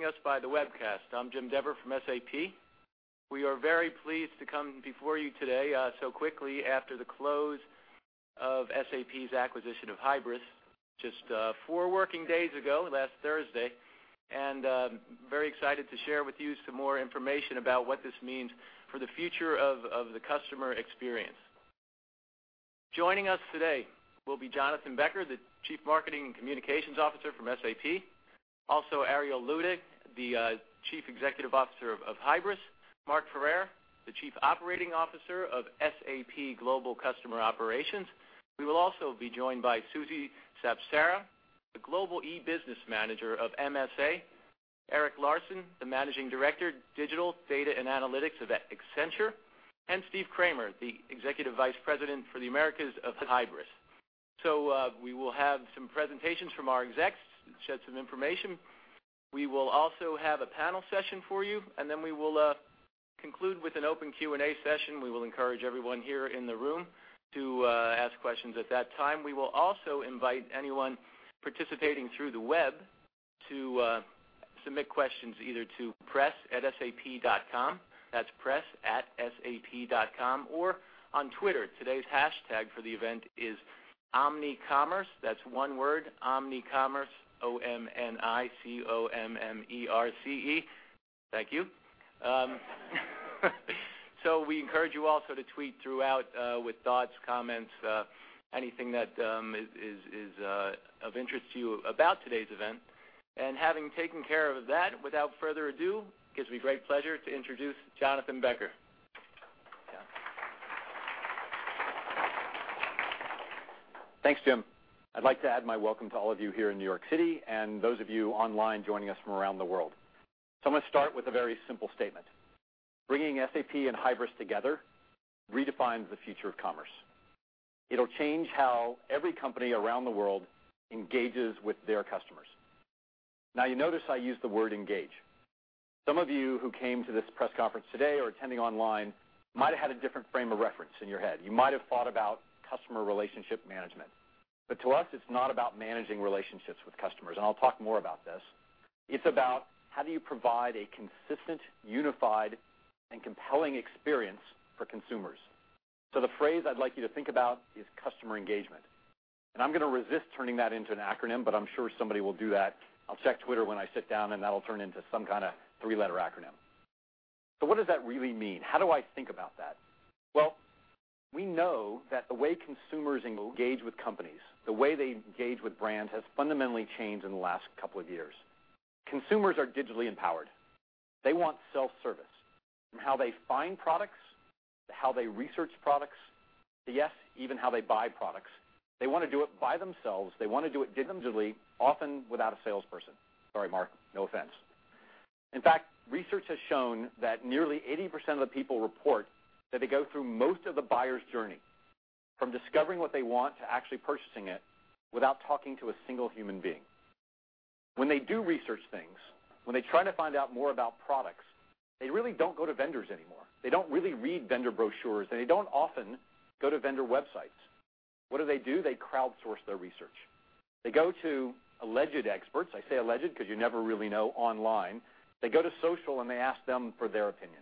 Us by the webcast. I'm Jim Dever from SAP. We are very pleased to come before you today so quickly after the close of SAP's acquisition of Hybris, just four working days ago, last Thursday, and very excited to share with you some more information about what this means for the future of the customer experience. Joining us today will be Jonathan Becher, the Chief Marketing and Communications Officer from SAP. Also, Ariel Luedi, the Chief Executive Officer of Hybris, Mark Ferrer, the Chief Operating Officer of SAP Global Customer Operations. We will also be joined by Suzy Sapsara, the Global eBusiness Manager of MSA, Erik Larson, the Managing Director, Digital, Data and Analytics of Accenture, and Steven Kramer, the Executive Vice President for the Americas of Hybris. We will have some presentations from our execs, shed some information. We will also have a panel session for you, and then we will conclude with an open Q&A session. We will encourage everyone here in the room to ask questions at that time. We will also invite anyone participating through the web to submit questions either to press@sap.com, that's press@sap.com, or on Twitter. Today's hashtag for the event is omni commerce. That's one word, omni commerce, O-M-N-I C-O-M-M-E-R-C-E. Thank you. We encourage you also to tweet throughout with thoughts, comments, anything that is of interest to you about today's event. Having taken care of that, without further ado, gives me great pleasure to introduce Jonathan Becher. Thanks, Jim. I'd like to add my welcome to all of you here in New York City, and those of you online joining us from around the world. I'm going to start with a very simple statement. Bringing SAP and Hybris together redefines the future of commerce. It'll change how every company around the world engages with their customers. Now, you notice I used the word engage. Some of you who came to this press conference today or attending online might have had a different frame of reference in your head. You might have thought about customer relationship management. But to us, it's not about managing relationships with customers, and I'll talk more about this. It's about how do you provide a consistent, unified, and compelling experience for consumers. The phrase I'd like you to think about is customer engagement, and I'm going to resist turning that into an acronym, but I'm sure somebody will do that. I'll check Twitter when I sit down, and that'll turn into some kind of three-letter acronym. What does that really mean? How do I think about that? Well, we know that the way consumers engage with companies, the way they engage with brands, has fundamentally changed in the last couple of years. Consumers are digitally empowered. They want self-service in how they find products, how they research products, yes, even how they buy products. They want to do it by themselves. They want to do it digitally, often without a salesperson. Sorry, Mark, no offense. In fact, research has shown that nearly 80% of the people report that they go through most of the buyer's journey, from discovering what they want to actually purchasing it, without talking to a single human being. When they do research things, when they try to find out more about products, they really don't go to vendors anymore. They don't really read vendor brochures, and they don't often go to vendor websites. What do they do? They crowdsource their research. They go to alleged experts. I say alleged because you never really know online. They go to social, and they ask them for their opinion.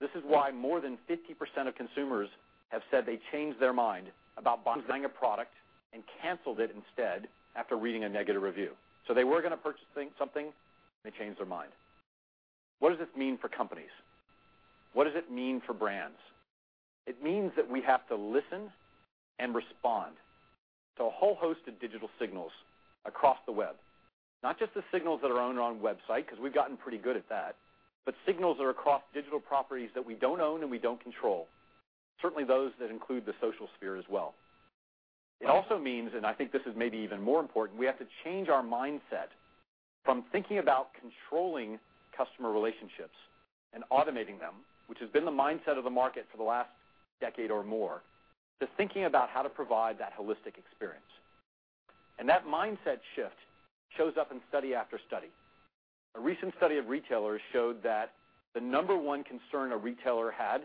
This is why more than 50% of consumers have said they changed their mind about buying a product and canceled it instead after reading a negative review. They were going to purchase something, they changed their mind. What does this mean for companies? What does it mean for brands? It means that we have to listen and respond to a whole host of digital signals across the web, not just the signals that are on our own website, because we've gotten pretty good at that, but signals that are across digital properties that we don't own and we don't control. Certainly those that include the social sphere as well. It also means, and I think this is maybe even more important, we have to change our mindset from thinking about controlling customer relationships and automating them, which has been the mindset of the market for the last decade or more, to thinking about how to provide that holistic experience. That mindset shift shows up in study after study. A recent study of retailers showed that the number one concern a retailer had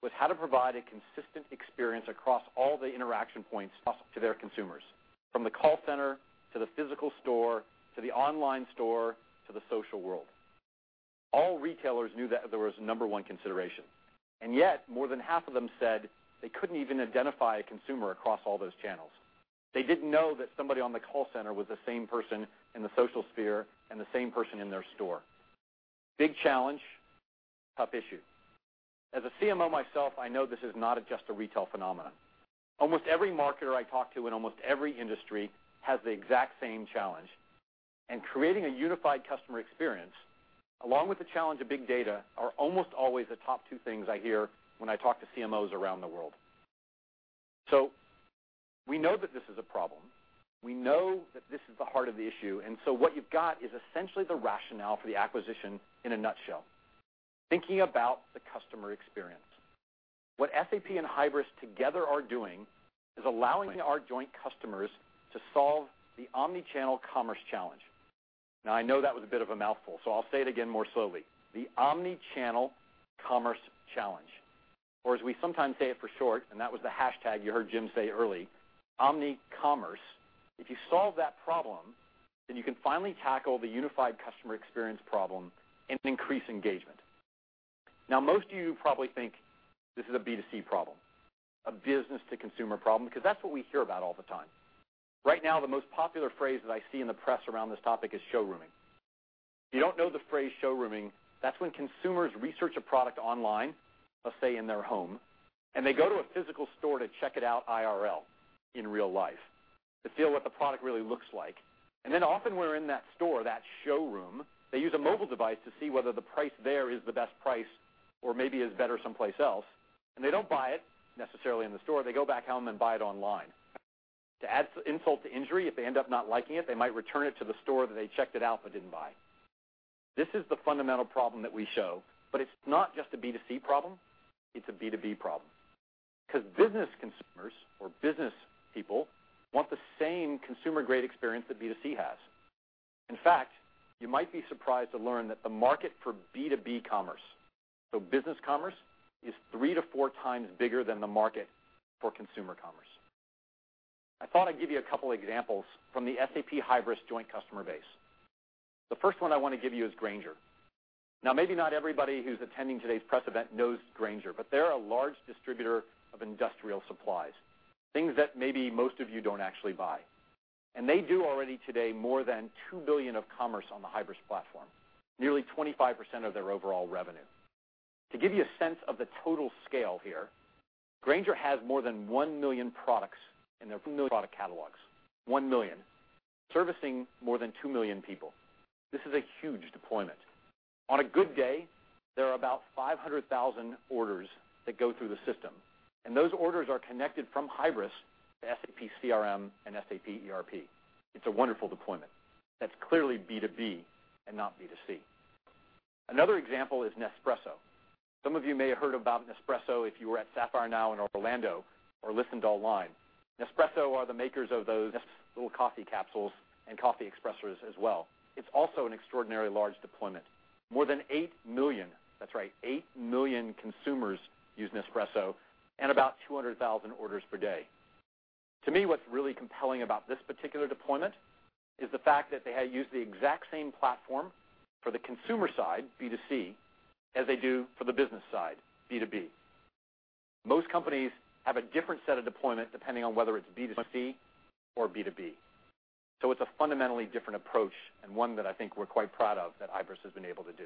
was how to provide a consistent experience across all the interaction points to their consumers, from the call center to the physical store, to the online store, to the social world. All retailers knew that that was the number one consideration, and yet more than half of them said they couldn't even identify a consumer across all those channels. They didn't know that somebody on the call center was the same person in the social sphere and the same person in their store. Big challenge, tough issue. As a CMO myself, I know this is not just a retail phenomenon. Almost every marketer I talk to in almost every industry has the exact same challenge, creating a unified customer experience, along with the challenge of big data, are almost always the top two things I hear when I talk to CMOs around the world. We know that this is a problem. We know that this is the heart of the issue, what you've got is essentially the rationale for the acquisition in a nutshell. Thinking about the customer experience. What SAP and Hybris together are doing is allowing our joint customers to solve the omnichannel commerce challenge. Now, I know that was a bit of a mouthful, so I'll say it again more slowly. The omnichannel commerce challenge. Or as we sometimes say it for short, and that was the hashtag you heard Jim say early, omni commerce. If you solve that problem, you can finally tackle the unified customer experience problem and increase engagement. Most of you probably think this is a B2C problem, a business to consumer problem, because that's what we hear about all the time. The most popular phrase that I see in the press around this topic is showrooming. If you don't know the phrase showrooming, that's when consumers research a product online, let's say in their home, and they go to a physical store to check it out IRL, in real life, to feel what the product really looks like. Often when they're in that store, that showroom, they use a mobile device to see whether the price there is the best price or maybe is better someplace else. They don't buy it necessarily in the store. They go back home and buy it online. To add insult to injury, if they end up not liking it, they might return it to the store that they checked it out but didn't buy. This is the fundamental problem that we show, it's not just a B2C problem. It's a B2B problem, because business consumers or business people want the same consumer-grade experience that B2C has. In fact, you might be surprised to learn that the market for B2B commerce, business commerce, is three to four times bigger than the market for consumer commerce. I thought I'd give you a couple examples from the SAP Hybris joint customer base. The first one I want to give you is Grainger. Maybe not everybody who's attending today's press event knows Grainger, they're a large distributor of industrial supplies, things that maybe most of you don't actually buy. They do already today more than 2 billion of commerce on the Hybris platform, nearly 25% of their overall revenue. To give you a sense of the total scale here, Grainger has more than 1 million products in their product catalogs. 1 million, servicing more than 2 million people. This is a huge deployment. On a good day, there are about 500,000 orders that go through the system, those orders are connected from Hybris to SAP CRM and SAP ERP. It's a wonderful deployment. That's clearly B2B and not B2C. Another example is Nespresso. Some of you may have heard about Nespresso if you were at SAP Sapphire in Orlando or listened online. Nespresso are the makers of those little coffee capsules and coffee espresso as well. It's also an extraordinarily large deployment. More than 8 million, that's right, 8 million consumers use Nespresso, about 200,000 orders per day. To me, what's really compelling about this particular deployment is the fact that they use the exact same platform for the consumer side, B2C, as they do for the business side, B2B. Most companies have a different set of deployment depending on whether it's B2C or B2B. It's a fundamentally different approach and one that I think we're quite proud of that Hybris has been able to do.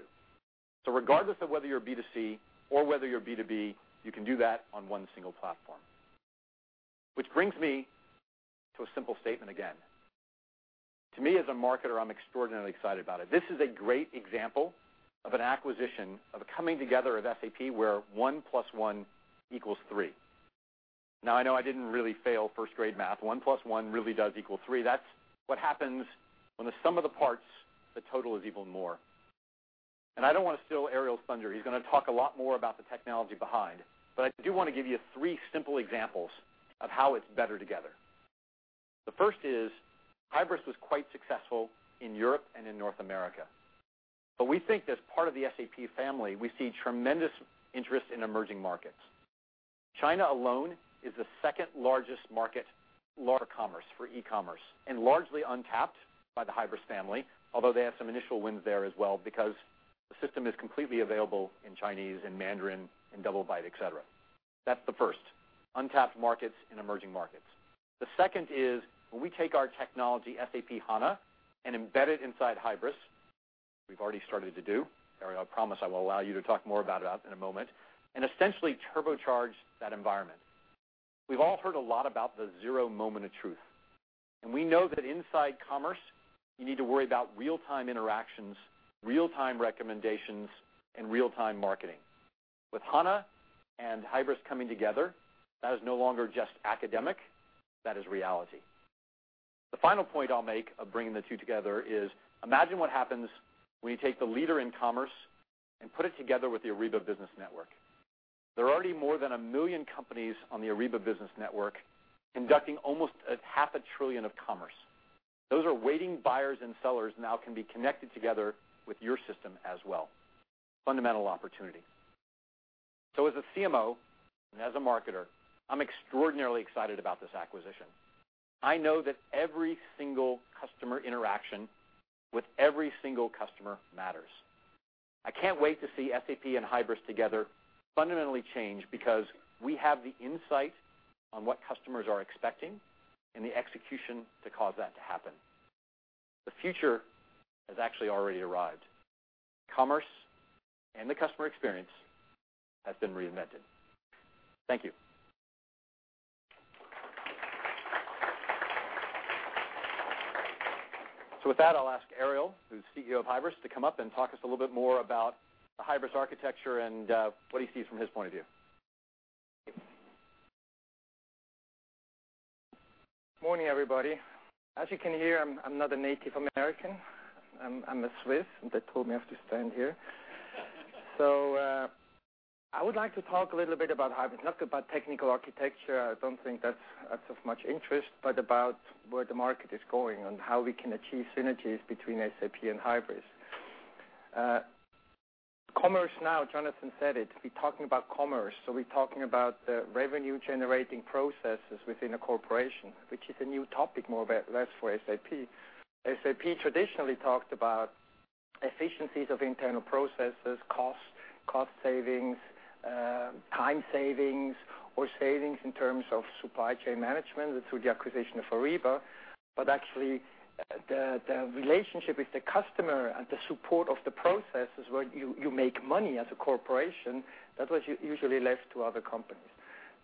Regardless of whether you're B2C or whether you're B2B, you can do that on one single platform. Which brings me to a simple statement again. To me, as a marketer, I'm extraordinarily excited about it. This is a great example of an acquisition of a coming together of SAP where one plus one equals three. I know I didn't really fail first-grade math. One plus one really does equal three. That's what happens when the sum of the parts, the total is even more. I don't want to steal Ariel's thunder. He's going to talk a lot more about the technology behind, but I do want to give you three simple examples of how it's better together. The first is, Hybris was quite successful in Europe and in North America, but we think as part of the SAP family, we see tremendous interest in emerging markets. China alone is the second largest market for commerce, for e-commerce, and largely untapped by the Hybris family, although they have some initial wins there as well because the system is completely available in Chinese and Mandarin and double-byte, et cetera. That's the first, untapped markets and emerging markets. The second is when we take our technology, SAP HANA, and embed it inside Hybris, we've already started to do, Ariel, I promise I will allow you to talk more about it in a moment, and essentially turbocharge that environment. We've all heard a lot about the zero moment of truth, and we know that inside commerce, you need to worry about real-time interactions, real-time recommendations, and real-time marketing. With HANA and Hybris coming together, that is no longer just academic. That is reality. The final point I'll make of bringing the two together is imagine what happens when you take the leader in commerce and put it together with the Ariba Business Network. There are already more than 1 million companies on the Ariba Business Network conducting almost a half a trillion EUR of commerce. Those are waiting buyers and sellers now can be connected together with your system as well. Fundamental opportunity. As a CMO and as a marketer, I'm extraordinarily excited about this acquisition. I know that every single customer interaction with every single customer matters. I can't wait to see SAP and Hybris together fundamentally change because we have the insight on what customers are expecting and the execution to cause that to happen. The future has actually already arrived. Commerce and the customer experience have been reinvented. Thank you. With that, I'll ask Ariel, who's CEO of Hybris, to come up and talk us a little bit more about the Hybris architecture and what he sees from his point of view. Morning, everybody. As you can hear, I'm not a native American. I'm a Swiss, and they told me I have to stand here. I would like to talk a little bit about Hybris, not about technical architecture, I don't think that's of much interest, but about where the market is going and how we can achieve synergies between SAP and Hybris. Commerce Now, Jonathan said it. We're talking about commerce, so we're talking about the revenue-generating processes within a corporation, which is a new topic more or less for SAP. SAP traditionally talked about efficiencies of internal processes, costs, cost savings, time savings, or savings in terms of supply chain management through the acquisition of Ariba. Actually, the relationship with the customer and the support of the processes where you make money as a corporation, that was usually left to other companies.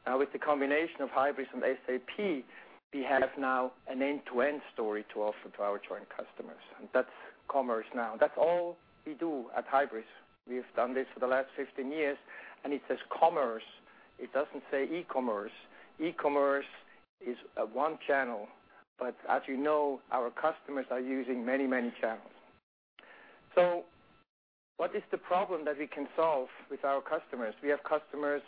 With the combination of Hybris and SAP, we have now an end-to-end story to offer to our joint customers. That's Commerce Now. That's all we do at Hybris. We have done this for the last 15 years, it says commerce. It doesn't say e-commerce. E-commerce is one channel, as you know, our customers are using many channels. What is the problem that we can solve with our customers? We have customers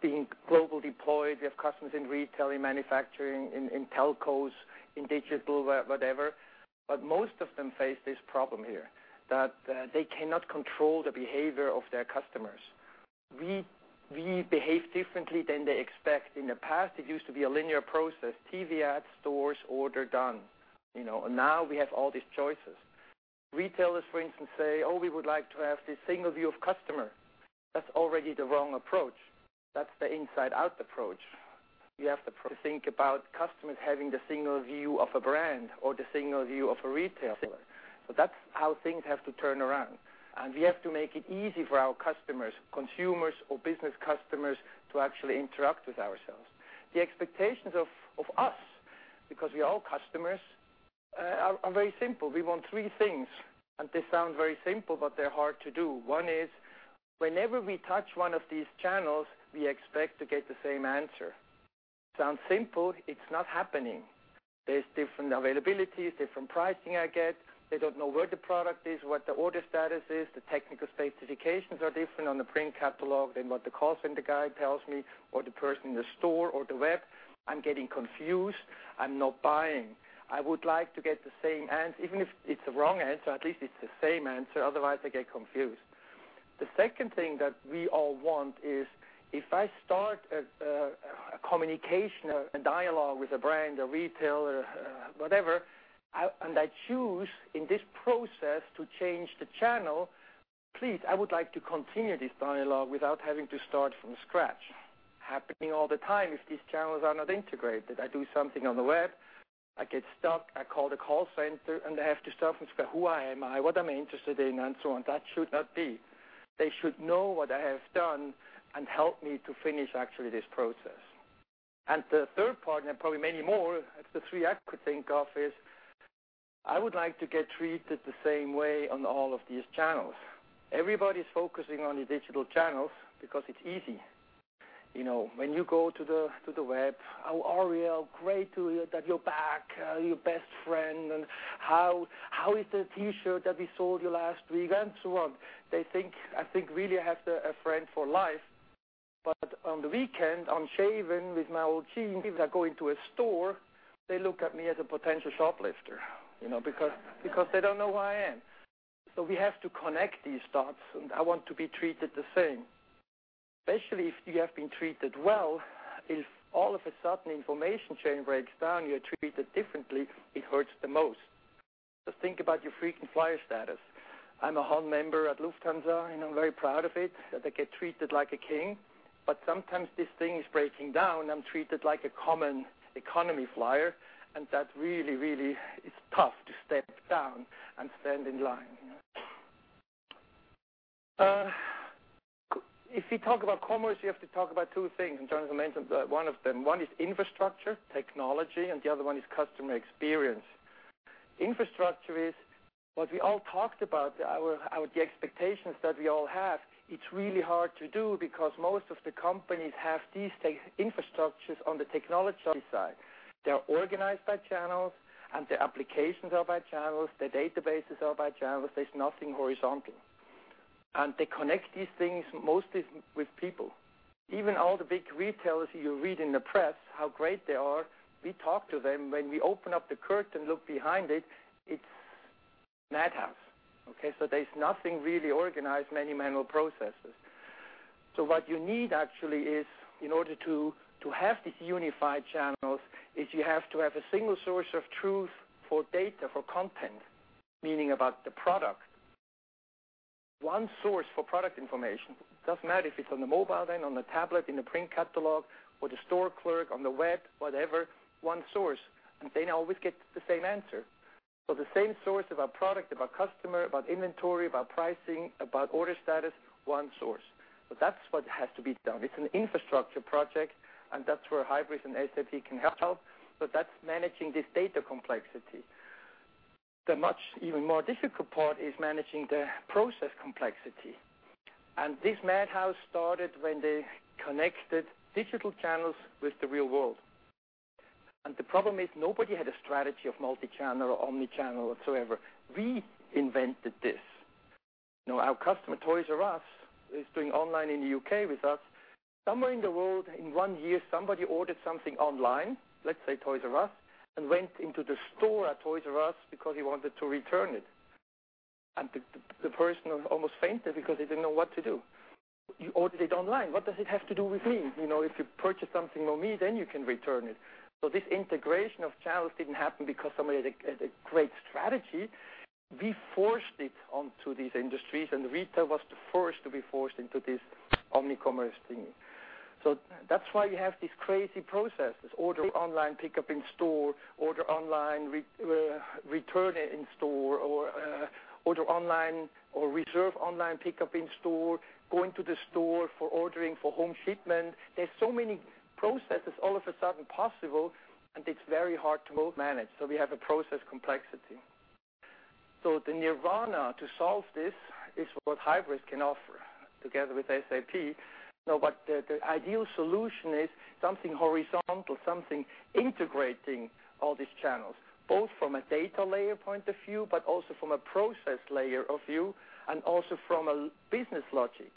being globally deployed. We have customers in retail, in manufacturing, in telcos, in digital, whatever. Most of them face this problem here, that they cannot control the behavior of their customers. We behave differently than they expect. In the past, it used to be a linear process: TV ad, stores, order, done. Now we have all these choices. Retailers, for instance, say, "Oh, we would like to have this single view of customer." That's already the wrong approach. That's the inside-out approach. You have to think about customers having the single view of a brand or the single view of a retailer. That's how things have to turn around, and we have to make it easy for our customers, consumers, or business customers, to actually interact with ourselves. The expectations of us, because we are all customers, are very simple. We want three things, they sound very simple, but they're hard to do. One is, whenever we touch one of these channels, we expect to get the same answer. Sounds simple. It's not happening. There's different availabilities, different pricing I get. They don't know where the product is, what the order status is. The technical specifications are different on the print catalog than what the call center guy tells me, or the person in the store or the web. I'm getting confused. I'm not buying. I would like to get the same answer. Even if it's the wrong answer, at least it's the same answer. Otherwise, I get confused. The second thing that we all want is, if I start a communication, a dialogue with a brand, a retailer, whatever, I choose in this process to change the channel, please, I would like to continue this dialogue without having to start from scratch. Happening all the time if these channels are not integrated. I do something on the web. I get stuck. I call the call center, they have to start from scratch. Who I am? What am I interested in, and so on. That should not be. They should know what I have done and help me to finish actually this process. The third part, probably many more, that's the three I could think of is, I would like to get treated the same way on all of these channels. Everybody's focusing on the digital channels because it's easy. When you go to the web, "Oh, Ariel, great to hear that you're back. You're best friend," "How is the T-shirt that we sold you last week?" So on. I think really I have a friend for life. On the weekend, I'm shaving with my old jeans. If I go into a store, they look at me as a potential shoplifter, because they don't know who I am. We have to connect these dots, I want to be treated the same. Especially if you have been treated well, if all of a sudden information chain breaks down, you're treated differently, it hurts the most. Just think about your frequent flyer status. I'm a HON member at Lufthansa, and I'm very proud of it, that I get treated like a king. Sometimes this thing is breaking down. I'm treated like a common economy flyer, and that really is tough to step down and stand in line. If you talk about commerce, you have to talk about two things, and Jonathan mentioned one of them. One is infrastructure, technology, and the other one is customer experience. Infrastructure is what we all talked about, the expectations that we all have. It's really hard to do because most of the companies have these infrastructures on the technology side. They're organized by channels, and the applications are by channels. The databases are by channels. There's nothing horizontal. They connect these things mostly with people. Even all the big retailers you read in the press, how great they are, we talk to them. When we open up the curtain, look behind it's madhouse. Okay. There's nothing really organized, many manual processes. What you need actually is, in order to have these unified channels, is you have to have a single source of truth for data, for content, meaning about the product. One source for product information. Doesn't matter if it's on the mobile, then on the tablet, in the print catalog or the store clerk on the web, whatever, one source. They always get the same answer. The same source about product, about customer, about inventory, about pricing, about order status, one source. That's what has to be done. It's an infrastructure project, and that's where Hybris and SAP can help. That's managing this data complexity. The much even more difficult part is managing the process complexity. This madhouse started when they connected digital channels with the real world. The problem is nobody had a strategy of multi-channel or omnichannel whatsoever. We invented this. Our customer, Toys 'R' Us, is doing online in the U.K. with us. Somewhere in the world, in one year, somebody ordered something online, let's say, Toys 'R' Us, and went into the store at Toys 'R' Us because he wanted to return it. The person almost fainted because they didn't know what to do. You ordered it online. What does it have to do with me? If you purchase something from me, then you can return it. This integration of channels didn't happen because somebody had a great strategy. We forced it onto these industries, and retail was the first to be forced into this omni-commerce thingy. That's why you have these crazy processes, order online, pick up in store, order online, return it in store, or order online or reserve online, pick up in store, go into the store for ordering for home shipment. There's so many processes all of a sudden possible, and it's very hard to manage. We have a process complexity. The nirvana to solve this is what Hybris can offer together with SAP. No, the ideal solution is something horizontal, something integrating all these channels, both from a data layer point of view, but also from a process layer of view, and also from a business logic.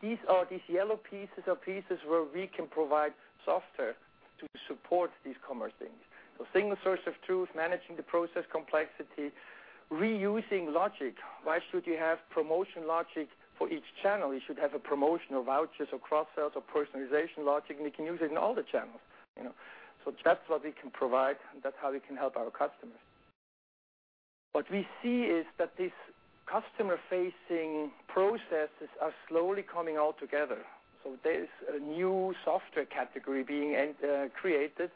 These are these yellow pieces or pieces where we can provide software to support these commerce things. Single source of truth, managing the process complexity, reusing logic. Why should you have promotion logic for each channel? You should have a promotional vouchers or cross-sales or personalization logic, and you can use it in all the channels. That's what we can provide, and that's how we can help our customers. What we see is that these customer-facing processes are slowly coming all together. There is a new software category being created,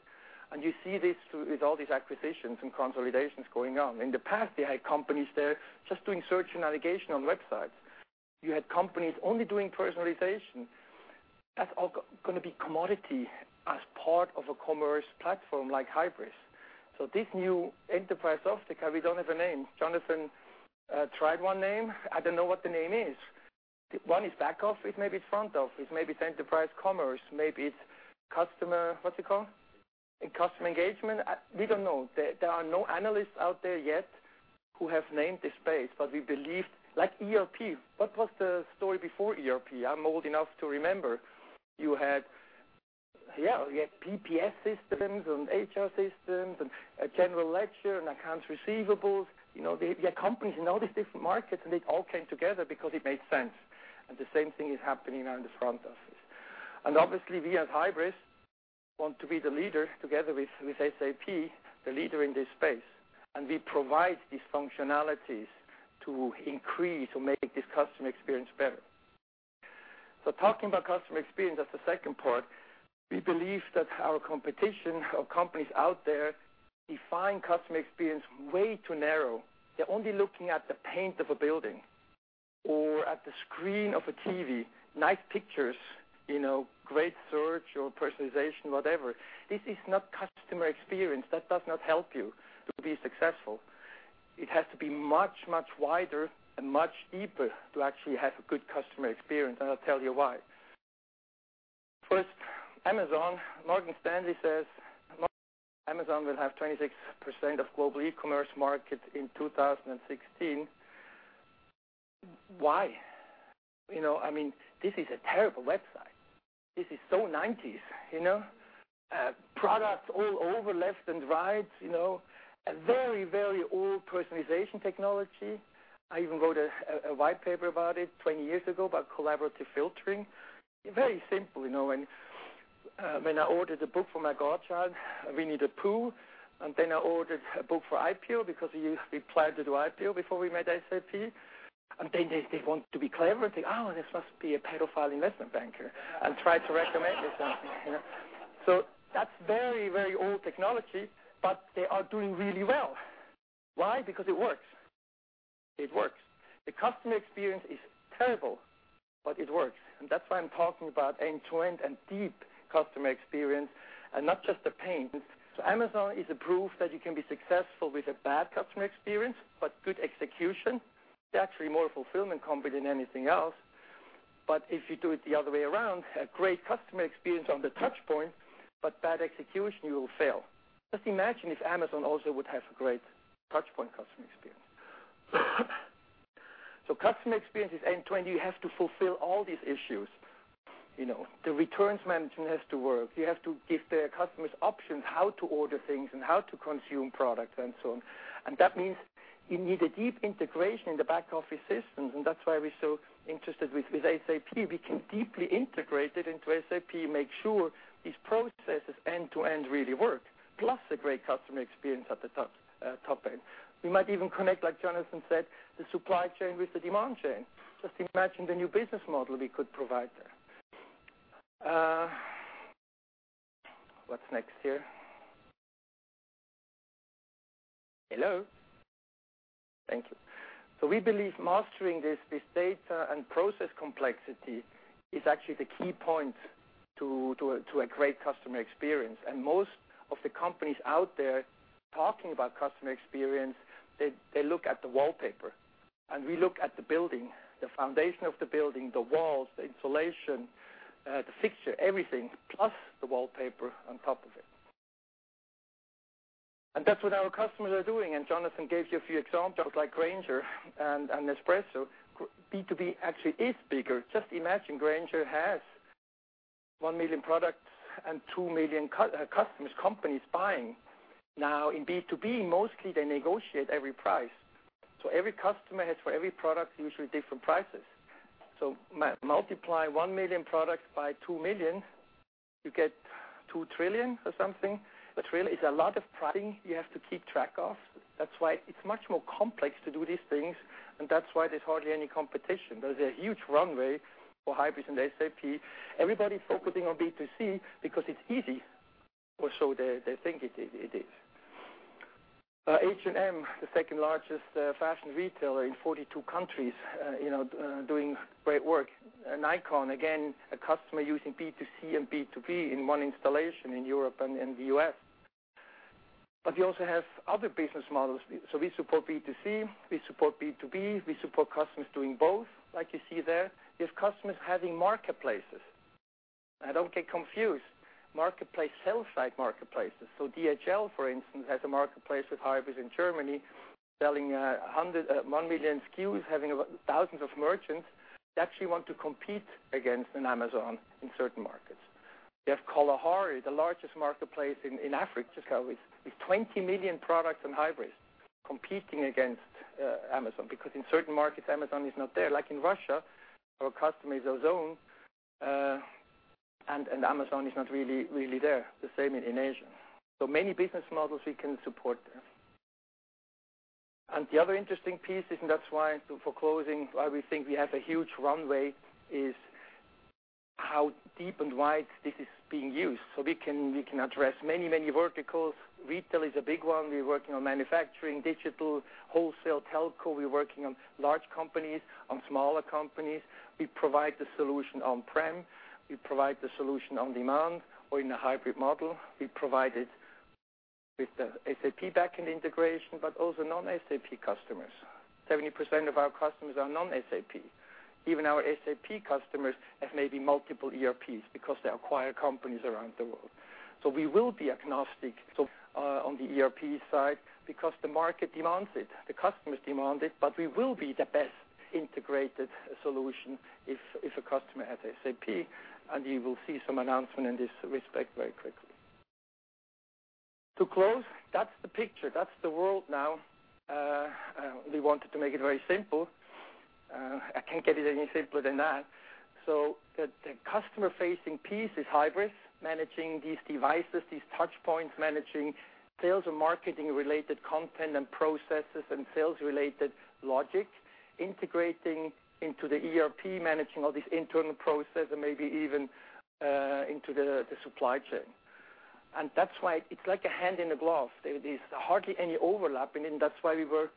and you see this through with all these acquisitions and consolidations going on. In the past, you had companies there just doing search and navigation on websites. You had companies only doing personalization. That's all going to be commodity as part of a commerce platform like Hybris. This new enterprise. Okay, we don't have a name. Jonathan tried one name. I don't know what the name is. One is back office, maybe it's front office, maybe it's enterprise commerce, maybe it's What's it called? In customer engagement? We don't know. There are no analysts out there yet who have named this space, but we believe, like ERP. What was the story before ERP? I'm old enough to remember. You had PPS systems and HR systems and general ledger and accounts receivables. You had companies in all these different markets, and it all came together because it made sense. The same thing is happening now in this front office. Obviously, we as Hybris want to be the leader together with SAP, the leader in this space. We provide these functionalities to increase or make this customer experience better. Talking about customer experience, that's the second part. We believe that our competition of companies out there define customer experience way too narrow. They're only looking at the paint of a building or at the screen of a TV. Nice pictures, great search or personalization, whatever. This is not customer experience. That does not help you to be successful. It has to be much, much wider and much deeper to actually have a good customer experience, and I'll tell you why. First, Amazon. Morgan Stanley says Amazon will have 26% of global e-commerce market in 2016. Why? I mean, this is a terrible website. This is so '90s. Products all over left and right. A very, very old personalization technology. I even wrote a white paper about it 20 years ago about collaborative filtering. Very simple. When I ordered a book for my godchild, "Winnie-the-Pooh," I ordered a book for IPO because we used to be planned to do IPO before we met SAP, they want to be clever and think, "Oh, this must be a pedophile investment banker," and try to recommend me something. That's very, very old technology, but they are doing really well. Why? Because it works. It works. The customer experience is terrible, but it works. That's why I'm talking about end-to-end and deep customer experience and not just the paint. Amazon is a proof that you can be successful with a bad customer experience, but good execution. They're actually more a fulfillment company than anything else. If you do it the other way around, a great customer experience on the touchpoint, but bad execution, you will fail. Just imagine if Amazon also would have a great touchpoint customer experience. Customer experience is end-to-end. You have to fulfill all these issues. The returns management has to work. You have to give the customers options how to order things and how to consume product and so on. That means you need a deep integration in the back-office systems, and that's why we're so interested with SAP. We can deeply integrate it into SAP, make sure these processes end-to-end really work, plus a great customer experience at the top end. We might even connect, like Jonathan said, the supply chain with the demand chain. Just imagine the new business model we could provide there. What's next here? Hello. Thank you. We believe mastering this data and process complexity is actually the key point to a great customer experience. Most of the companies out there talking about customer experience, they look at the wallpaper, and we look at the building, the foundation of the building, the walls, the insulation, the fixture, everything, plus the wallpaper on top of it. That's what our customers are doing, and Jonathan gave you a few examples like Grainger and Nespresso. B2B actually is bigger. Just imagine, Grainger has 1 million products and 2 million customers, companies buying. In B2B, mostly they negotiate every price. Every customer has, for every product, usually different prices. Multiply 1 million products by 2 million, you get 2 trillion or something. Really, it's a lot of pricing you have to keep track of. That's why it's much more complex to do these things, and that's why there's hardly any competition. There's a huge runway for Hybris and SAP. Everybody's focusing on B2C because it's easy, or so they think it is. H&M, the second-largest fashion retailer in 42 countries, doing great work. Nikon, again, a customer using B2C and B2B in one installation in Europe and the U.S. You also have other business models. We support B2C, we support B2B, we support customers doing both, like you see there. You have customers having marketplaces. Don't get confused. Marketplace, sell-side marketplaces. DHL, for instance, has a marketplace with Hybris in Germany selling 1 million SKUs, having thousands of merchants that actually want to compete against an Amazon in certain markets. You have Kalahari, the largest marketplace in Africa, with 20 million products on Hybris competing against Amazon, because in certain markets, Amazon is not there. Like in Russia, our customer is Ozon, and Amazon is not really there. The same in Asia. Many business models we can support there. The other interesting piece, and that's why, for closing, why we think we have a huge runway, is how deep and wide this is being used. We can address many verticals. Retail is a big one. We're working on manufacturing, digital, wholesale, telco. We're working on large companies, on smaller companies. We provide the solution on-prem, we provide the solution on-demand or in a hybrid model. We provide it with the SAP backend integration, but also non-SAP customers. 70% of our customers are non-SAP. Even our SAP customers have maybe multiple ERPs because they acquire companies around the world. We will be agnostic on the ERP side because the market demands it, the customers demand it, but we will be the best-integrated solution if a customer has SAP, and you will see some announcement in this respect very quickly. To close, that's the picture. That's the world now. We wanted to make it very simple. I can't get it any simpler than that. The customer-facing piece is Hybris managing these devices, these touchpoints, managing sales and marketing-related content and processes, and sales-related logic, integrating into the ERP, managing all these internal processes, and maybe even into the supply chain. That's why it's like a hand in a glove. There's hardly any overlap, and that's why we were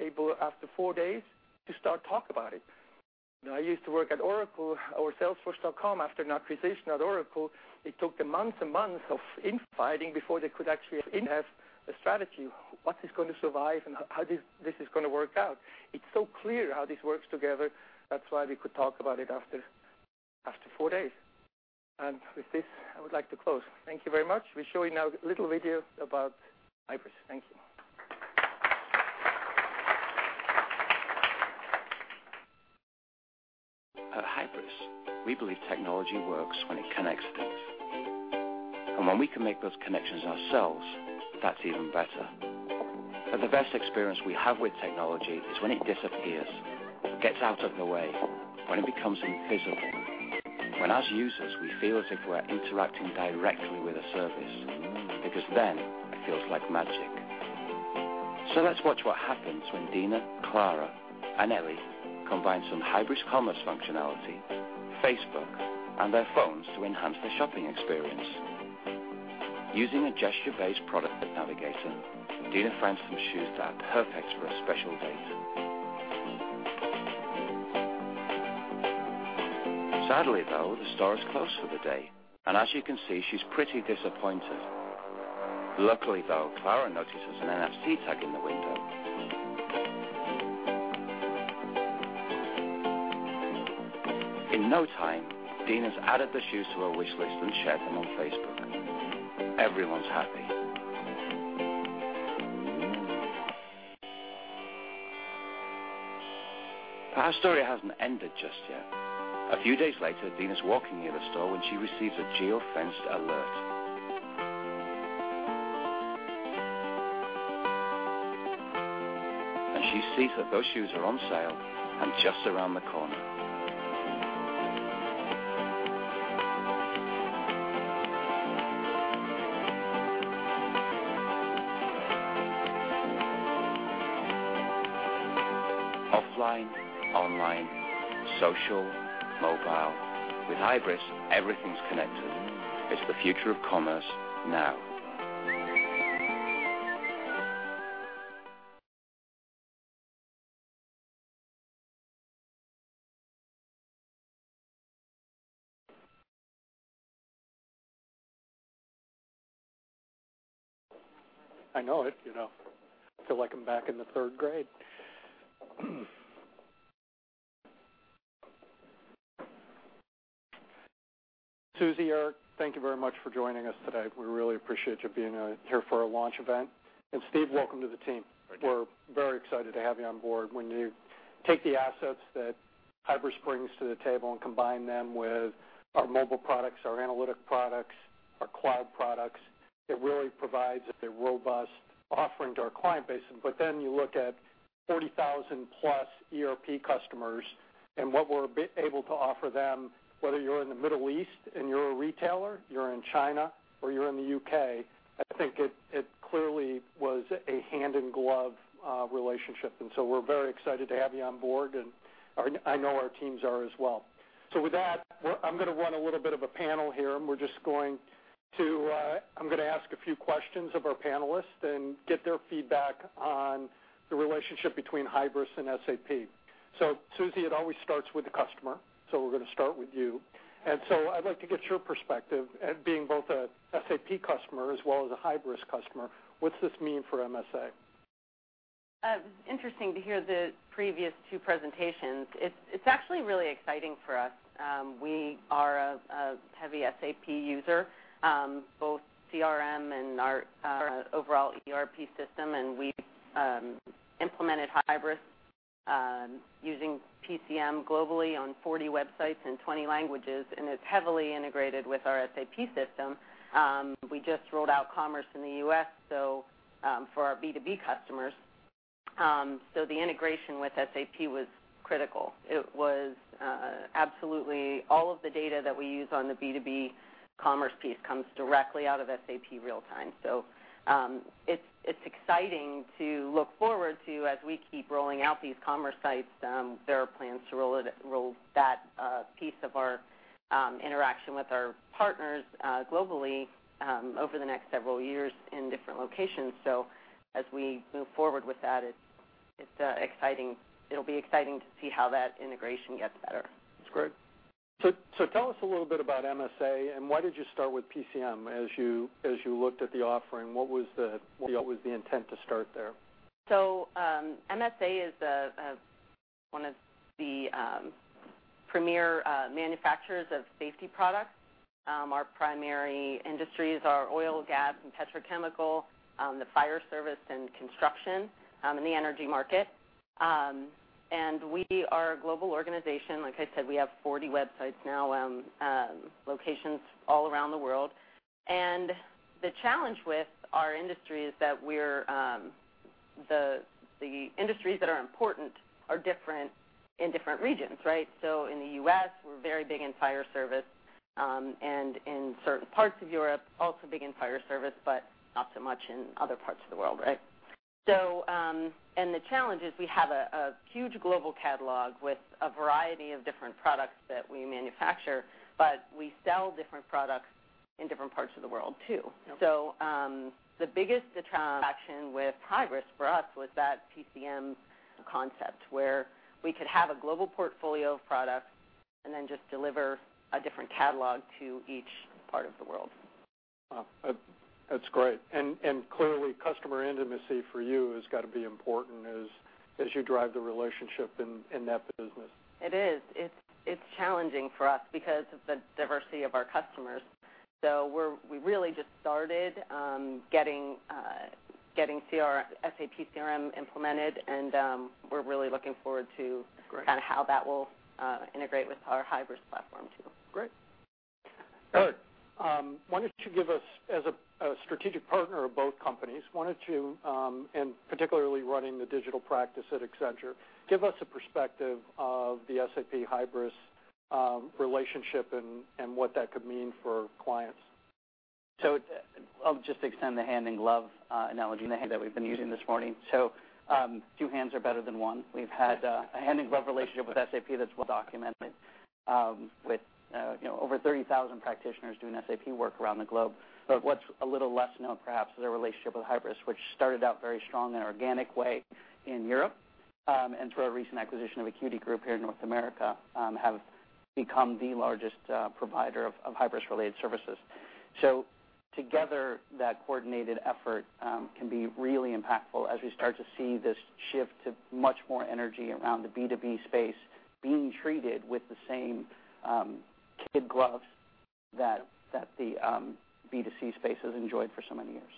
able, after four days, to start talk about it. I used to work at Oracle or salesforce.com after an acquisition at Oracle. It took them months and months of infighting before they could actually have a strategy, what is going to survive and how this is going to work out. It's so clear how this works together. That's why we could talk about it after four days. With this, I would like to close. Thank you very much. We're showing now a little video about Hybris. Thank you. At Hybris, we believe technology works when it connects things. When we can make those connections ourselves, that's even better. The best experience we have with technology is when it disappears, gets out of the way, when it becomes invisible. When us users, we feel as if we're interacting directly with a service, because then it feels like magic. Let's watch what happens when Dina, Clara, and Ellie combine some Hybris commerce functionality, Facebook, and their phones to enhance the shopping experience. Using a gesture-based product navigator, Dina finds some shoes that are perfect for a special date. Sadly though, the store is closed for the day, and as you can see, she's pretty disappointed. Luckily though, Clara notices an NFC tag in the window. In no time, Dina's added the shoes to her wish list and shared them on Facebook. Everyone's happy. Our story hasn't ended just yet. A few days later, Dina's walking near the store when she receives a geofenced alert. She sees that those shoes are on sale and just around the corner. Offline, online, social, mobile. With Hybris, everything's connected. It's the future of commerce now. I know it. I feel like I'm back in the 3 grade. Suzy, Erik, thank you very much for joining us today. We really appreciate you being here for our launch event. Steve, welcome to the team. Thank you. We're very excited to have you on board. When you take the assets that Hybris brings to the table and combine them with our mobile products, our analytic products, our cloud products, it really provides a robust offering to our client base. You look at 40,000-plus ERP customers, and what we're able to offer them, whether you're in the Middle East and you're a retailer, you're in China, or you're in the U.K., I think it clearly was a hand-in-glove relationship. We're very excited to have you on board, and I know our teams are as well. With that, I'm going to run a little bit of a panel here, and I'm going to ask a few questions of our panelists and get their feedback on the relationship between Hybris and SAP. Suzy, it always starts with the customer, so we're going to start with you. I'd like to get your perspective, being both a SAP customer as well as a Hybris customer, what's this mean for MSA? It was interesting to hear the previous two presentations. It's actually really exciting for us. We are a heavy SAP user, both CRM and our overall ERP system, and we've implemented Hybris using PCM globally on 40 websites in 20 languages, and it's heavily integrated with our SAP system. We just rolled out commerce in the U.S. for our B2B customers. The integration with SAP was critical. Absolutely all of the data that we use on the B2B commerce piece comes directly out of SAP real-time. It's exciting to look forward to, as we keep rolling out these commerce sites, there are plans to roll that piece of our interaction with our partners globally over the next several years in different locations. As we move forward with that, it'll be exciting to see how that integration gets better. That's great. Tell us a little bit about MSA and why did you start with PCM? As you looked at the offering, what was the intent to start there? MSA is one of the premier manufacturers of safety products. Our primary industries are oil, gas, and petrochemical, the fire service, and construction in the energy market. We are a global organization. Like I said, we have 40 websites now, locations all around the world. The challenge with our industry is that the industries that are important are different in different regions, right? In the U.S., we're very big in fire service, and in certain parts of Europe, also big in fire service, but not so much in other parts of the world, right? The challenge is we have a huge global catalog with a variety of different products that we manufacture, but we sell different products in different parts of the world, too. Yep. The biggest attraction with Hybris for us was that PCM concept, where we could have a global portfolio of products and then just deliver a different catalog to each part of the world. Wow. That's great. Clearly, customer intimacy for you has got to be important as you drive the relationship in that business. It is. It's challenging for us because of the diversity of our customers. We really just started getting SAP CRM implemented, and we're really looking forward to That's great. kind of how that will integrate with our Hybris platform, too. Great. Erik, as a strategic partner of both companies, particularly running the digital practice at Accenture, why don't you give us a perspective of the SAP Hybris relationship and what that could mean for clients? I'll just extend the hand-in-glove analogy and the hand that we've been using this morning. Two hands are better than one. We've had a hand-in-glove relationship with SAP that's well documented with over 30,000 practitioners doing SAP work around the globe. What's a little less known, perhaps, is our relationship with Hybris, which started out very strong in an organic way in Europe. Through our recent acquisition of Acuity Group here in North America, have become the largest provider of Hybris related services. Together, that coordinated effort can be really impactful as we start to see this shift to much more energy around the B2B space being treated with the same kid gloves that the B2C space has enjoyed for so many years.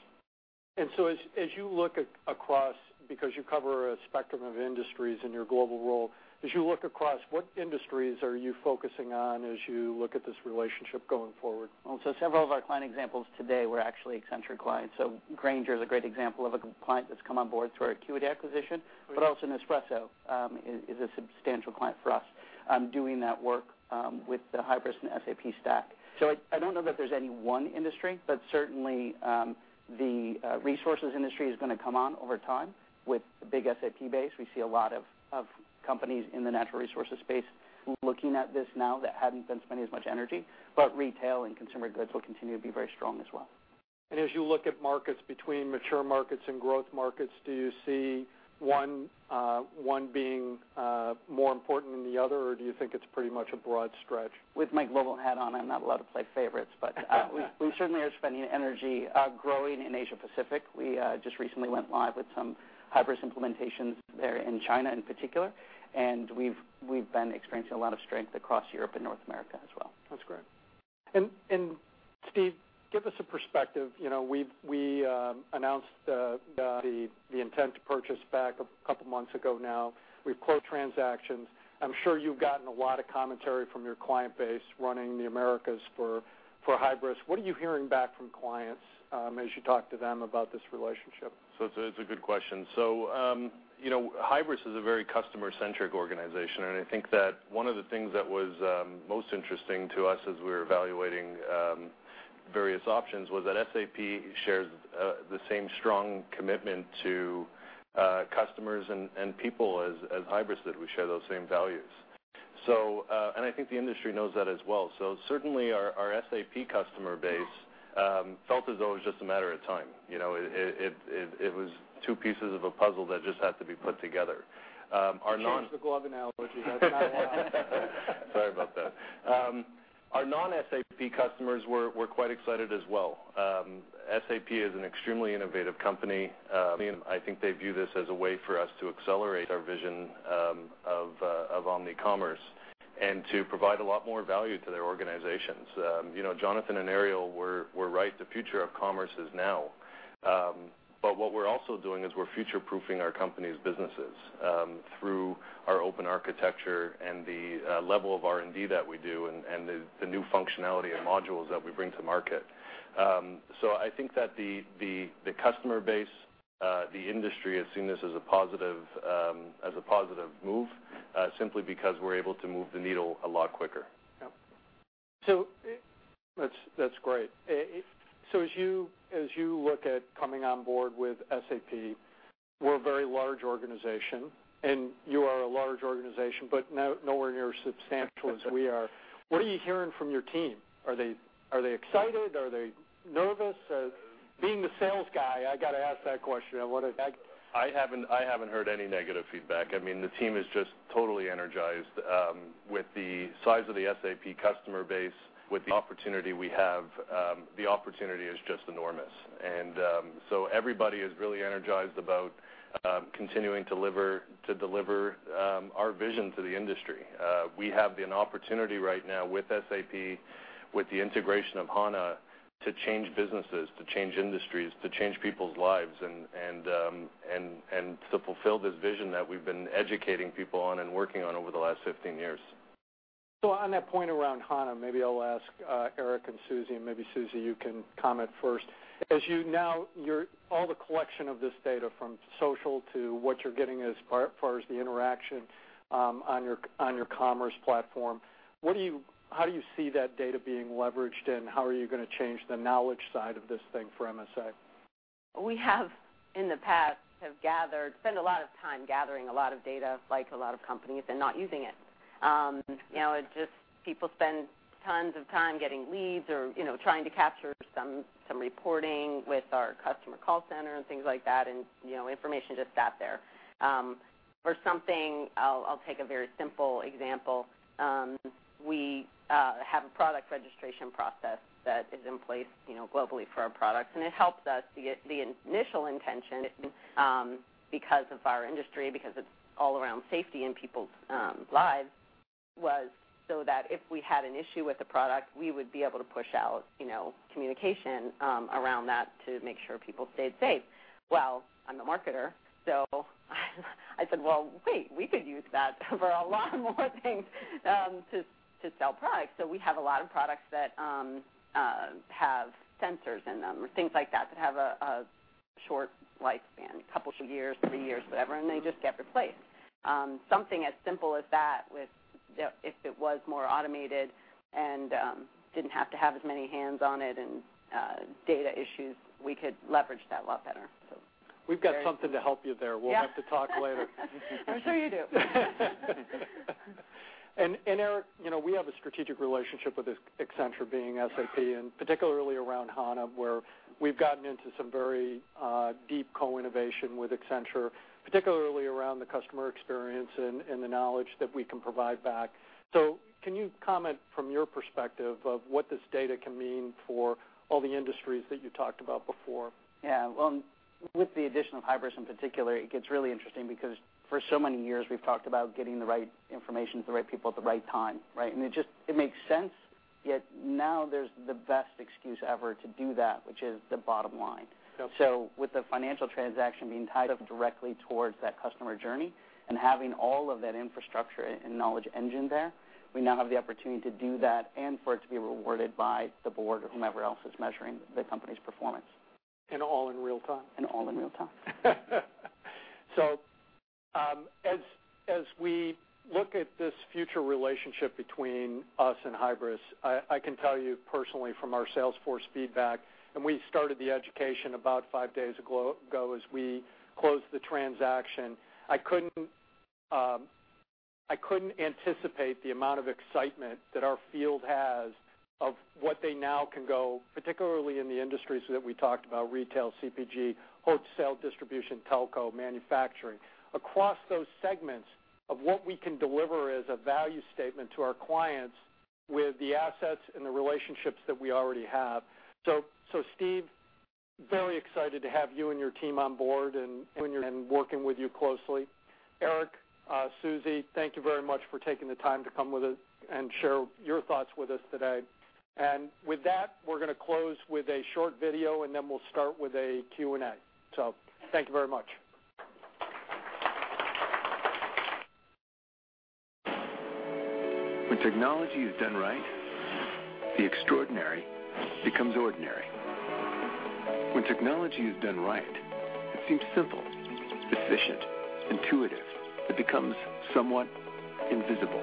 As you look across, because you cover a spectrum of industries in your global role, as you look across, what industries are you focusing on as you look at this relationship going forward? Several of our client examples today were actually Accenture clients. Grainger is a great example of a client that's come on board through our Acuity acquisition, also Nespresso is a substantial client for us doing that work with the Hybris and SAP stack. I don't know that there's any one industry, certainly the resources industry is going to come on over time with a big SAP base. We see a lot of companies in the natural resources space looking at this now that hadn't been spending as much energy. Retail and consumer goods will continue to be very strong as well. As you look at markets between mature markets and growth markets, do you see one being more important than the other, or do you think it's pretty much a broad stretch? With my global hat on, I'm not allowed to play favorites. We certainly are spending energy growing in Asia Pacific. We just recently went live with some Hybris implementations there in China in particular. We've been experiencing a lot of strength across Europe and North America as well. That's great. Steve, give us a perspective. We announced the intent to purchase back a couple of months ago now. We've closed transactions. I'm sure you've gotten a lot of commentary from your client base running the Americas for Hybris. What are you hearing back from clients as you talk to them about this relationship? It's a good question. Hybris is a very customer-centric organization. I think that one of the things that was most interesting to us as we were evaluating various options was that SAP shares the same strong commitment to customers and people as Hybris did. We share those same values. I think the industry knows that as well. Certainly our SAP customer base felt as though it was just a matter of time. It was two pieces of a puzzle that just had to be put together. You changed the glove analogy, huh. Sorry about that. Our non-SAP customers were quite excited as well. SAP is an extremely innovative company. I think they view this as a way for us to accelerate our vision of omni-commerce and to provide a lot more value to their organizations. Jonathan and Ariel were right, the future of commerce is now. What we're also doing is we're future-proofing our company's businesses through our open architecture and the level of R&D that we do, and the new functionality and modules that we bring to market. I think that the customer base, the industry has seen this as a positive move, simply because we're able to move the needle a lot quicker. Yep. That's great. As you look at coming on board with SAP, we're a very large organization, and you are a large organization, but nowhere near substantial as we are. What are you hearing from your team. Are they excited. Are they nervous. Being the sales guy, I got to ask that question. I haven't heard any negative feedback. The team is just totally energized, with the size of the SAP customer base, with the opportunity we have, the opportunity is just enormous. Everybody is really energized about continuing to deliver our vision to the industry. We have an opportunity right now with SAP, with the integration of HANA, to change businesses, to change industries, to change people's lives, and to fulfill this vision that we've been educating people on and working on over the last 15 years. On that point around HANA, maybe I'll ask Erik and Suzy, and maybe Suzy, you can comment first. As you now, all the collection of this data from social to what you're getting as far as the interaction on your commerce platform, how do you see that data being leveraged, and how are you going to change the knowledge side of this thing for MSA? We have, in the past, spent a lot of time gathering a lot of data like a lot of companies and not using it. People spend tons of time getting leads or trying to capture some reporting with our customer call center and things like that, information just sat there. For something, I'll take a very simple example. We have a product registration process that is in place globally for our products, it helps us to get the initial intention, because of our industry, because it's all around safety and people's lives was so that if we had an issue with a product, we would be able to push out communication around that to make sure people stayed safe. Well, I'm a marketer, I said, "Well, wait, we could use that for a lot more things to sell products." We have a lot of products that have sensors in them or things like that have a short lifespan, a couple of years, three years, whatever, they just get replaced. Something as simple as that with, if it was more automated and didn't have to have as many hands on it and data issues, we could leverage that a lot better. We've got something to help you there. Yeah. We'll have to talk later. I'm sure you do. Erik, we have a strategic relationship with Accenture being SAP, particularly around SAP HANA, where we've gotten into some very deep co-innovation with Accenture, particularly around the customer experience and the knowledge that we can provide back. Can you comment from your perspective of what this data can mean for all the industries that you talked about before? Yeah. Well, with the addition of Hybris in particular, it gets really interesting because for so many years, we've talked about getting the right information to the right people at the right time, right? It makes sense, yet now there's the best excuse ever to do that, which is the bottom line. Yep. With the financial transaction being tied up directly towards that customer journey and having all of that infrastructure and knowledge engine there, we now have the opportunity to do that and for it to be rewarded by the board or whomever else is measuring the company's performance. All in real time. All in real time. As we look at this future relationship between us and Hybris, I can tell you personally from our sales force feedback, and we started the education about five days ago as we closed the transaction, I couldn't anticipate the amount of excitement that our field has of what they now can go, particularly in the industries that we talked about, retail, CPG, wholesale distribution, telco, manufacturing. Across those segments of what we can deliver as a value statement to our clients with the assets and the relationships that we already have. Steve, very excited to have you and your team on board and working with you closely. Erik, Suzy, thank you very much for taking the time to come and share your thoughts with us today. With that, we're going to close with a short video, and then we'll start with a Q&A. Thank you very much. When technology is done right, the extraordinary becomes ordinary. When technology is done right, it seems simple, efficient, intuitive. It becomes somewhat invisible.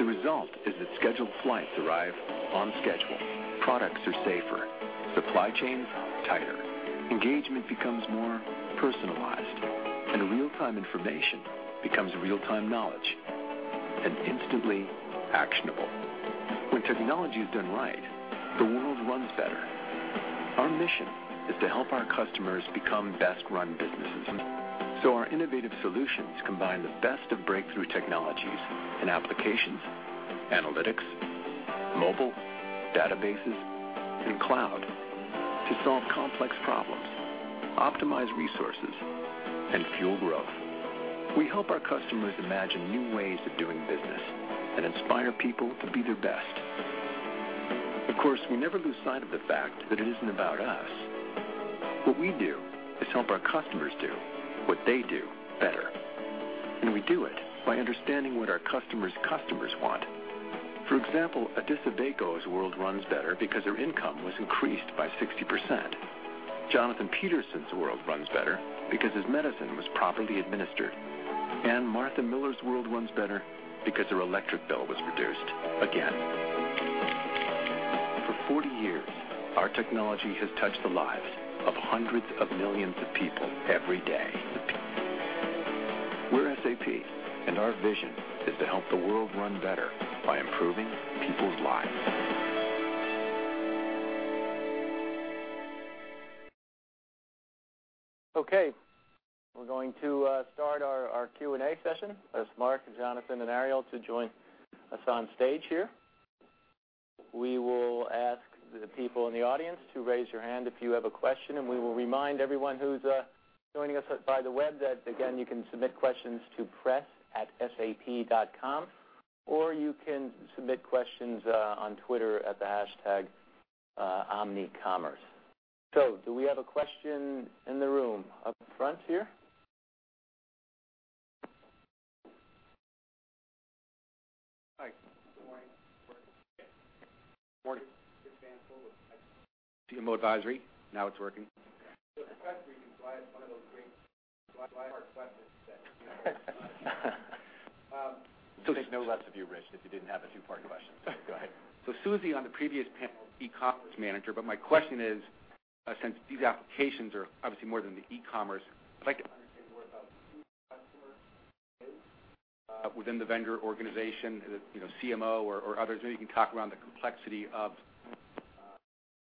The result is that scheduled flights arrive on schedule. Products are safer, supply chains tighter. Engagement becomes more personalized, and real-time information becomes real-time knowledge, and instantly actionable. When technology is done right, the world runs better. Our mission is to help our customers become best-run businesses. Our innovative solutions combine the best of breakthrough technologies and applications, analytics, mobile, databases, and cloud to solve complex problems, optimize resources, and fuel growth. We help our customers imagine new ways of doing business and inspire people to be their best. Of course, we never lose sight of the fact that it isn't about us. What we do is help our customers do what they do better, and we do it by understanding what our customers' customers want. For example, Adissa Beko's world runs better because her income was increased by 60%. Jonathan Peterson's world runs better because his medicine was properly administered. Martha Miller's world runs better because her electric bill was reduced again. For 40 years, our technology has touched the lives of hundreds of millions of people every day. We're SAP, and our vision is to help the world run better by improving people's lives. Okay, we're going to start our Q&A session. As Mark, Jonathan, and Ariel to join us on stage here. We will ask the people in the audience to raise your hand if you have a question, and we will remind everyone who's joining us by the web that, again, you can submit questions to press@sap.com, or you can submit questions on Twitter at the hashtag Omnicommerce. Do we have a question in the room up front here? Hi, good morning. Morning. Rich Van Foll with IT. CMO Advisory. Now it's working. It's a press briefing, so I have one of those great two-part questions set. We'd think no less of you, Rich, if you didn't have a two-part question. Go ahead. Suzy on the previous panel, e-commerce manager, my question is, since these applications are obviously more than the e-commerce, I'd like to understand more about who the customer is within the vendor organization, CMO or others. Maybe you can talk around the complexity of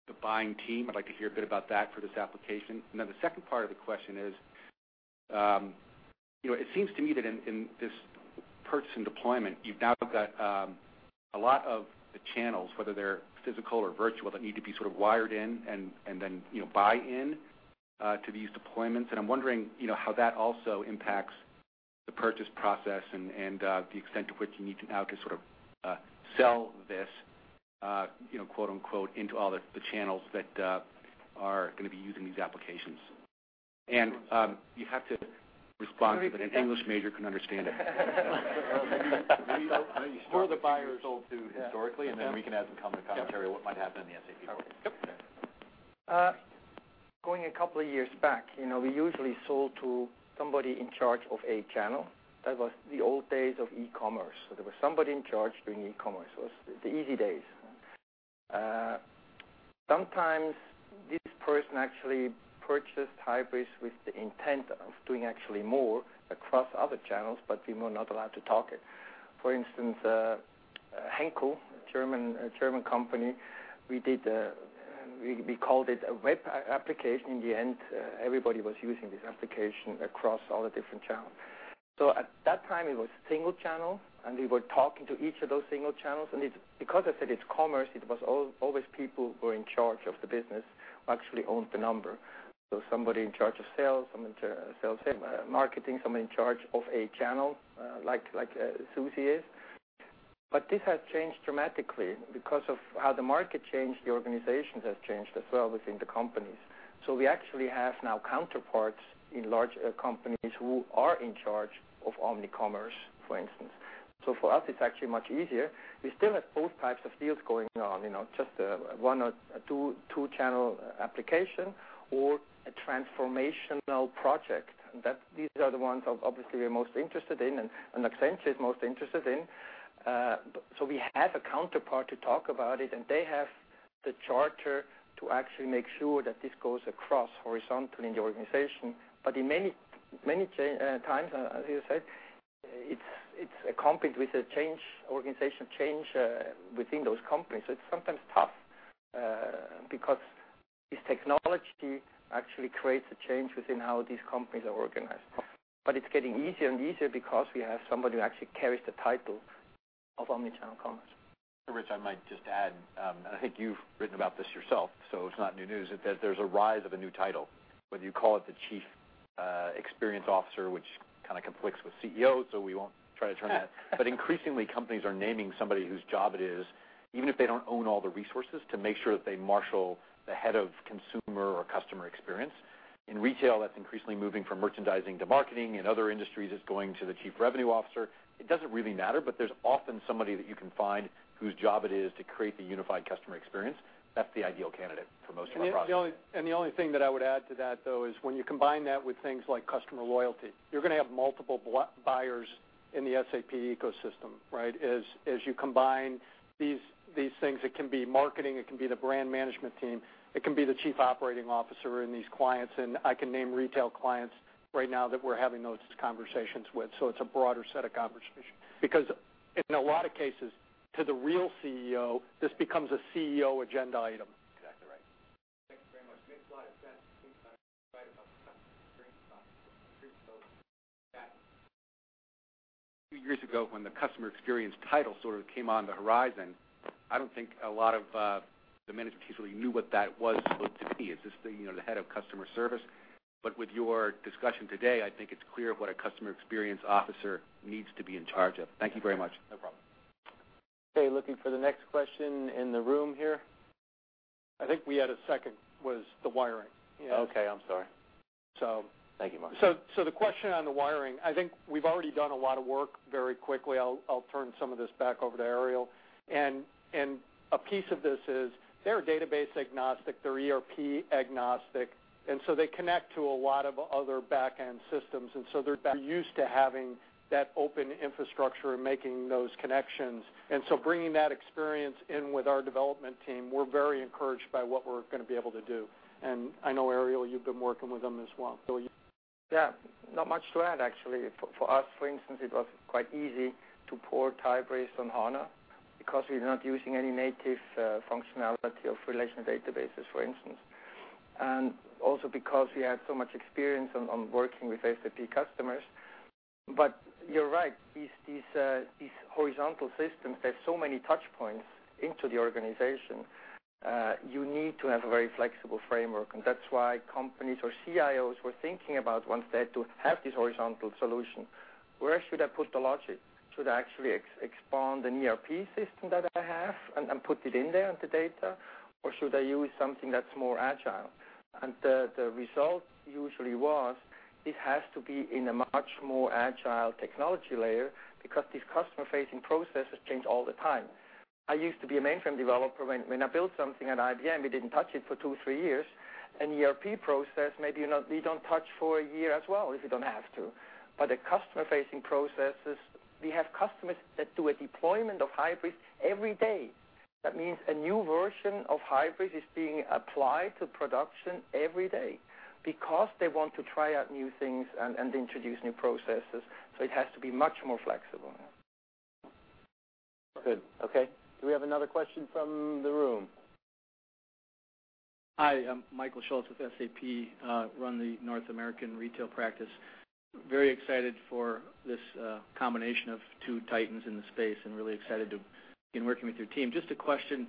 the buying team. I'd like to hear a bit about that for this application. The second part of the question is, it seems to me that in this purchase and deployment, you've now got a lot of the channels, whether they're physical or virtual, that need to be sort of wired in and then buy-in to these deployments. I'm wondering how that also impacts the purchase process and the extent to which you need to now to sort of sell this, quote-unquote, "into all the channels that are going to be using these applications." You have to respond so that an English major can understand it. Maybe start with who you sold to historically, and then we can add some commentary on what might happen in the SAP world. Okay. Yep. Going a couple of years back, we usually sold to somebody in charge of a channel. That was the old days of e-commerce. There was somebody in charge doing e-commerce. It was the easy days. Sometimes this person actually purchased Hybris with the intent of doing actually more across other channels, but we were not allowed to talk it. For instance, Henkel, a German company, we called it a web application. In the end, everybody was using this application across all the different channels. At that time, it was single channel, and we were talking to each of those single channels. Because I said it's commerce, it was always people who are in charge of the business who actually owned the number. Somebody in charge of sales, marketing, somebody in charge of a channel like Suzy is. This has changed dramatically because of how the market changed, the organizations have changed as well within the companies. We actually have now counterparts in large companies who are in charge of omnicommerce, for instance. For us, it's actually much easier. We still have both types of deals going on, just a one or a two-channel application or a transformational project. These are the ones obviously we're most interested in and Accenture is most interested in. We have a counterpart to talk about it, and they have the charter to actually make sure that this goes across horizontally in the organization. In many times, as you said, it's accompanied with a change, organization change within those companies. It's sometimes tough because this technology actually creates a change within how these companies are organized. It's getting easier and easier because we have somebody who actually carries the title Of omnichannel commerce Rich, I might just add, I think you've written about this yourself, it's not new news, that there's a rise of a new title, whether you call it the Chief Experience Officer, which kind of conflicts with CEO, we won't try to term it. Increasingly, companies are naming somebody whose job it is, even if they don't own all the resources, to make sure that they marshal the head of consumer or customer experience. In retail, that's increasingly moving from merchandising to marketing. In other industries, it's going to the Chief Revenue Officer. It doesn't really matter, there's often somebody that you can find whose job it is to create the unified customer experience. That's the ideal candidate for most of our projects. The only thing that I would add to that, though, is when you combine that with things like customer loyalty, you're going to have multiple buyers in the SAP ecosystem, right? As you combine these things, it can be marketing, it can be the brand management team, it can be the Chief Operating Officer in these clients, I can name retail clients right now that we're having those conversations with. It's a broader set of conversations. Because in a lot of cases, to the real CEO, this becomes a CEO agenda item. Exactly right. Thank you very much. Makes a lot of sense. few years ago when the customer experience title sort of came on the horizon, I don't think a lot of the management teams really knew what that was supposed to be. Is this the head of customer service? With your discussion today, I think it's clear what a Customer Experience Officer needs to be in charge of. Thank you very much. No problem. Okay, looking for the next question in the room here. I think we had a second, was the wiring. Okay, I'm sorry. So- Thank you, Mark The question on the wiring, I think we've already done a lot of work very quickly. I'll turn some of this back over to Ariel. A piece of this is they're database agnostic, they're ERP agnostic, they connect to a lot of other back-end systems, they're used to having that open infrastructure and making those connections. Bringing that experience in with our development team, we're very encouraged by what we're going to be able to do. I know, Ariel, you've been working with them as well. Yeah. Not much to add, actually. For us, for instance, it was quite easy to port Hybris on HANA because we're not using any native functionality of relational databases, for instance. Also because we had so much experience on working with SAP customers. You're right, these horizontal systems, there's so many touch points into the organization, you need to have a very flexible framework. That's why companies or CIOs were thinking about, once they do have this horizontal solution, where should I put the logic? Should I actually expand an ERP system that I have and put it in there, the data? Should I use something that's more agile? The result usually was it has to be in a much more agile technology layer because these customer-facing processes change all the time. I used to be a mainframe developer. When I built something at IBM, we didn't touch it for two, three years. An ERP process, maybe we don't touch for a year as well, if you don't have to. The customer-facing processes, we have customers that do a deployment of Hybris every day. That means a new version of Hybris is being applied to production every day because they want to try out new things and introduce new processes, it has to be much more flexible. Good. Okay. Do we have another question from the room? Hi, I'm Michael Schultz with SAP. Run the North American retail practice. Very excited for this combination of two titans in the space and really excited to begin working with your team. Just a question,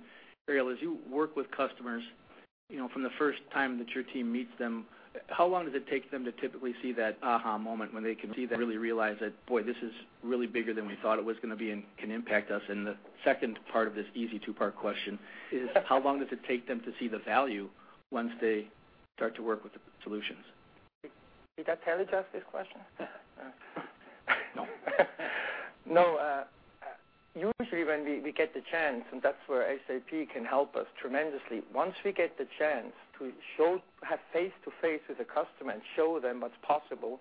Ariel. As you work with customers, from the first time that your team meets them, how long does it take them to typically see that aha moment when they can really realize that, boy, this is really bigger than we thought it was going to be and can impact us? The second part of this easy two-part question is how long does it take them to see the value once they start to work with the solutions? Did I telepath this question? No. No. Usually when we get the chance, that's where SAP can help us tremendously, once we get the chance to have face-to-face with a customer and show them what's possible,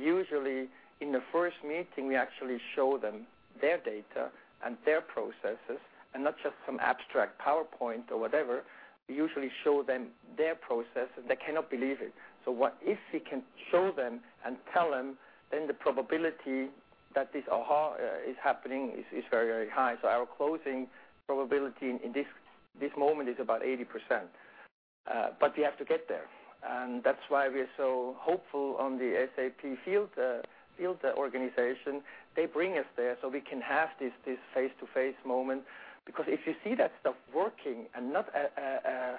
usually in the first meeting, we actually show them their data and their processes, not just some abstract PowerPoint or whatever, we usually show them their process, they cannot believe it. If we can show them and tell them, then the probability that this aha is happening is very high. Our closing probability in this moment is about 80%. We have to get there, that's why we're so hopeful on the SAP field organization. They bring us there, so we can have this face-to-face moment because if you see that stuff working and not a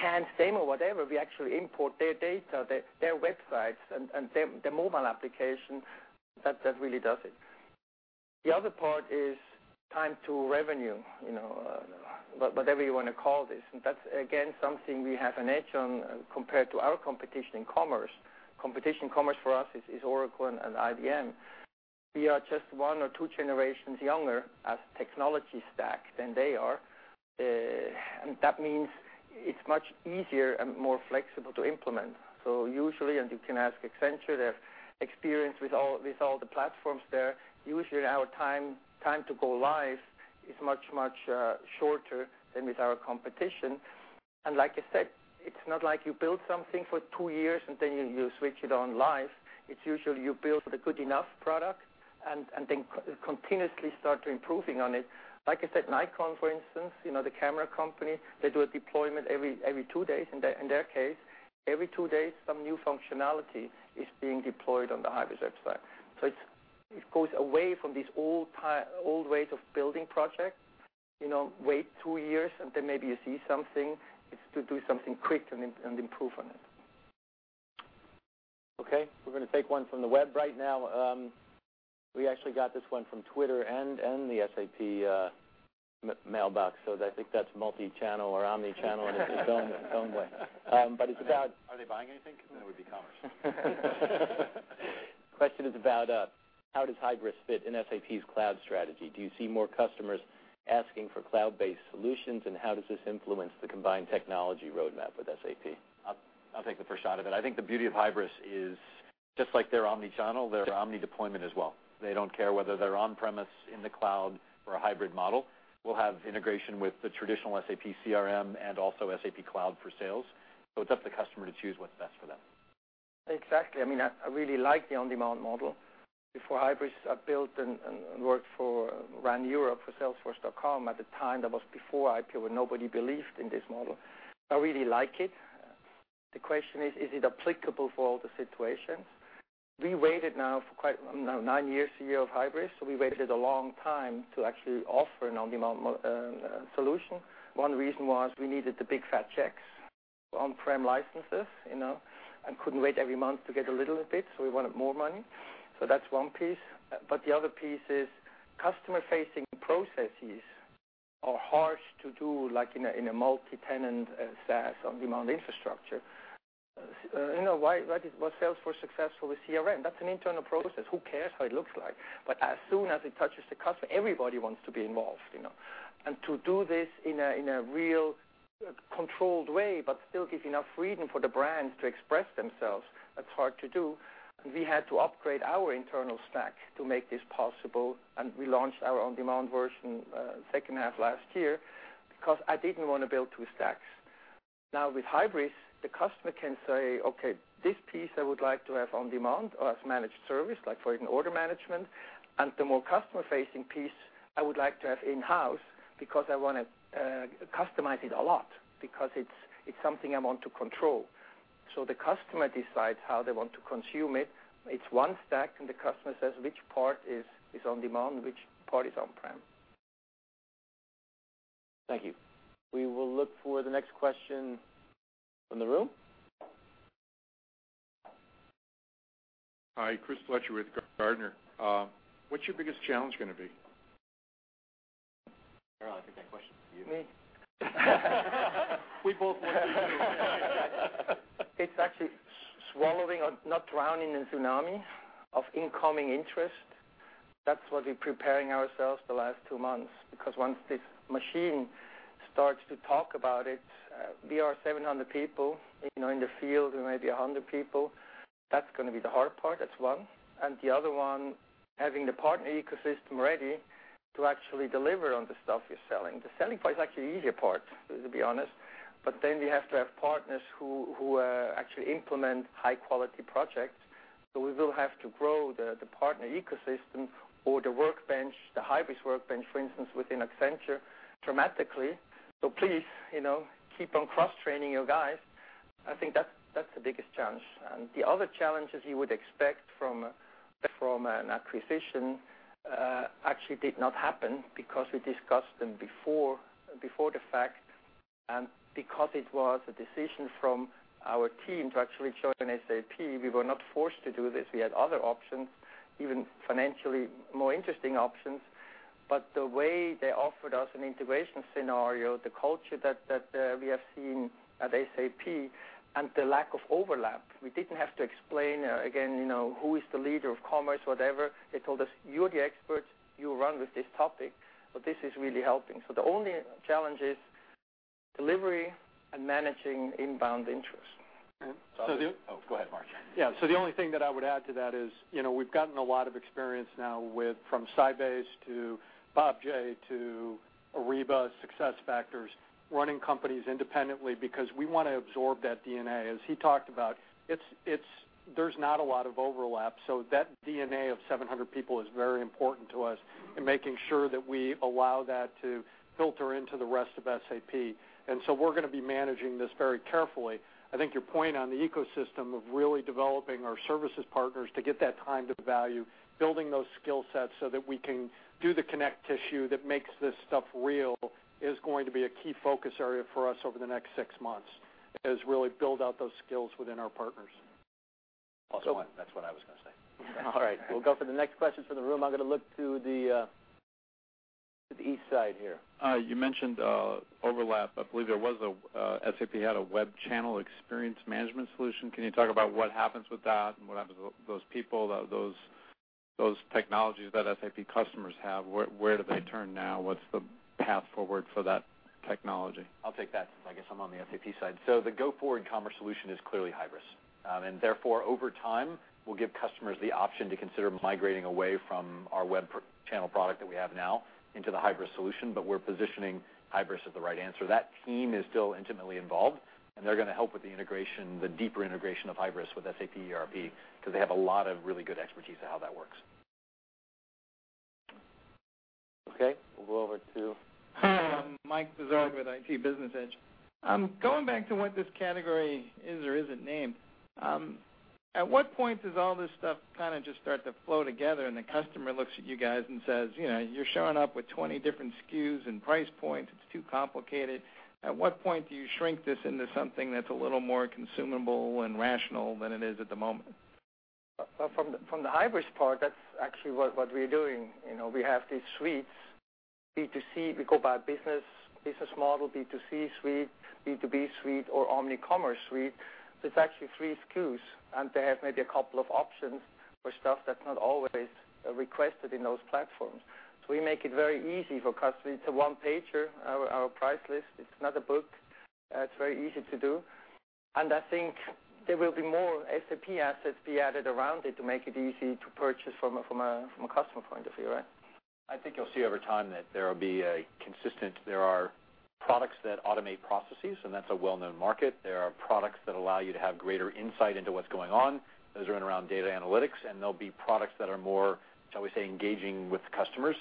canned demo, whatever, we actually import their data, their websites, and their mobile application, that really does it. The other part is time to revenue, whatever you want to call this, and that's, again, something we have an edge on compared to our competition in commerce. Competition in commerce for us is Oracle and IBM. We are just one or two generations younger as technology stack than they are, and that means it's much easier and more flexible to implement. Usually, and you can ask Accenture, their experience with all the platforms there, usually our time to go live is much shorter than with our competition. And like I said, it's not like you build something for two years and then you switch it on live. It's usually you build a good enough product and then continuously start improving on it. Like I said, Nikon, for instance, the camera company, they do a deployment every two days. In their case, every two days, some new functionality is being deployed on the Hybris x. It goes away from these old ways of building projects Wait two years, and then maybe you see something. It's to do something quick and improve on it. Okay. We're going to take one from the web right now. We actually got this one from Twitter and the SAP mailbox, I think that's multi-channel or omnichannel in its own way. Are they buying anything? Then it would be commerce. Question is about how does Hybris fit in SAP's cloud strategy. Do you see more customers asking for cloud-based solutions, and how does this influence the combined technology roadmap with SAP? I'll take the first shot at it. I think the beauty of Hybris is, just like they're omnichannel, they're omni-deployment as well. They don't care whether they're on-premise, in the cloud, or a hybrid model. We'll have integration with the traditional SAP CRM and also SAP Cloud for Sales. It's up to the customer to choose what's best for them. Exactly. I really like the on-demand model. Before Hybris, I built and worked for, ran Europe for salesforce.com at the time. That was before IPO, when nobody believed in this model. I really like it. The question is: Is it applicable for all the situations? We waited now for nine years here with Hybris, we waited a long time to actually offer an on-demand solution. One reason was we needed the big fat checks for on-prem licenses, and couldn't wait every month to get a little bit, we wanted more money. That's one piece. The other piece is customer-facing processes are hard to do in a multi-tenant SaaS on-demand infrastructure. Why was Salesforce successful with CRM? That's an internal process. Who cares how it looks like? As soon as it touches the customer, everybody wants to be involved. To do this in a real controlled way, still give enough freedom for the brands to express themselves, that's hard to do. We had to upgrade our internal stack to make this possible, we launched our on-demand version second half last year because I didn't want to build two stacks. Now with Hybris, the customer can say, "Okay, this piece I would like to have on demand or as managed service, like for in order management. The more customer-facing piece, I would like to have in-house because I want to customize it a lot because it's something I want to control." The customer decides how they want to consume it. It's one stack, the customer says which part is on demand, which part is on-prem. Thank you. We will look for the next question from the room. Hi, Chris Fletcher with Gartner. What's your biggest challenge going to be? Ariel, I think that question is for you. Me. We both looked at each other. It's actually swallowing or not drowning in tsunami of incoming interest. That's what we're preparing ourselves the last 2 months, because once this machine starts to talk about it, we are 700 people. In the field, we may be 100 people. That's going to be the hard part. That's one. The other one, having the partner ecosystem ready to actually deliver on the stuff you're selling. The selling part is actually the easier part, to be honest. We have to have partners who actually implement high-quality projects. We will have to grow the partner ecosystem or the workbench, the Hybris workbench, for instance, within Accenture dramatically. Please, keep on cross-training your guys. I think that's the biggest challenge. The other challenges you would expect from an acquisition actually did not happen because we discussed them before the fact, because it was a decision from our team to actually join SAP. We were not forced to do this. We had other options, even financially more interesting options. The way they offered us an integration scenario, the culture that we have seen at SAP, the lack of overlap. We didn't have to explain, again, who is the leader of commerce, whatever. They told us, "You're the expert. You run with this topic." This is really helping. The only challenge is delivery and managing inbound interest. The- Oh, go ahead, Mark. Yeah. The only thing that I would add to that is, we've gotten a lot of experience now from Sybase to BusinessObjects to Ariba, SuccessFactors, running companies independently because we want to absorb that DNA, as he talked about. There's not a lot of overlap, that DNA of 700 people is very important to us in making sure that we allow that to filter into the rest of SAP. We're going to be managing this very carefully. I think your point on the ecosystem of really developing our services partners to get that time to value, building those skill sets so that we can do the connect tissue that makes this stuff real is going to be a key focus area for us over the next 6 months, is really build out those skills within our partners. Also, that's what I was going to say. All right. We'll go for the next question from the room. I'm going to look to the east side here. You mentioned overlap. I believe SAP had a SAP Web Channel Experience Management solution. Can you talk about what happens with that and what happens with those people, those technologies that SAP customers have? Where do they turn now? What's the path forward for that technology? I'll take that since I guess I'm on the SAP side. The go-forward commerce solution is clearly Hybris. Therefore, over time, we'll give customers the option to consider migrating away from our web channel product that we have now into the Hybris solution. We're positioning Hybris as the right answer. That team is still intimately involved, and they're going to help with the integration, the deeper integration of Hybris with SAP ERP, because they have a lot of really good expertise of how that works. Okay. We'll go over. Michael Bazar with Bazar Solutions. Going back to what this category is or isn't named, at what point does all this stuff kind of just start to flow together and the customer looks at you guys and says, "You're showing up with 20 different SKUs and price points. It's too complicated." At what point do you shrink this into something that's a little more consumable and rational than it is at the moment? Well, from the Hybris part, that's actually what we're doing. We have these suites, B2C, we go by business model, B2C suite, B2B suite, or omnicommerce suite. It's actually three SKUs, and they have maybe a couple of options for stuff that's not always requested in those platforms. We make it very easy for customers. It's a one-pager, our price list. It's not a book. It's very easy to do. I think there will be more SAP assets be added around it to make it easy to purchase from a customer point of view, right? I think you'll see over time that there will be a consistent, there are products that automate processes, and that's a well-known market. There are products that allow you to have greater insight into what's going on. Those are in and around data analytics, there'll be products that are more, shall we say, engaging with customers.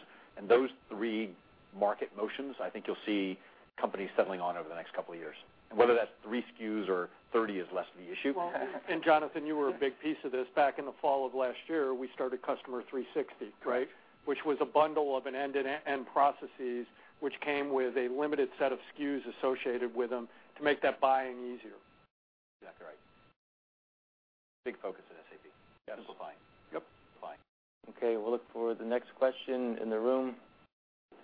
Those three market motions, I think you'll see companies settling on over the next couple of years. Whether that's three SKUs or 30 is less of the issue. Jonathan, you were a big piece of this. Back in the fall of last year, we started Customer 360, right? Which was a bundle of an end-to-end processes, which came with a limited set of SKUs associated with them to make that buying easier. Exactly right. Big focus at SAP. Yes. Simplifying. Yep. Simplifying. We'll look for the next question in the room.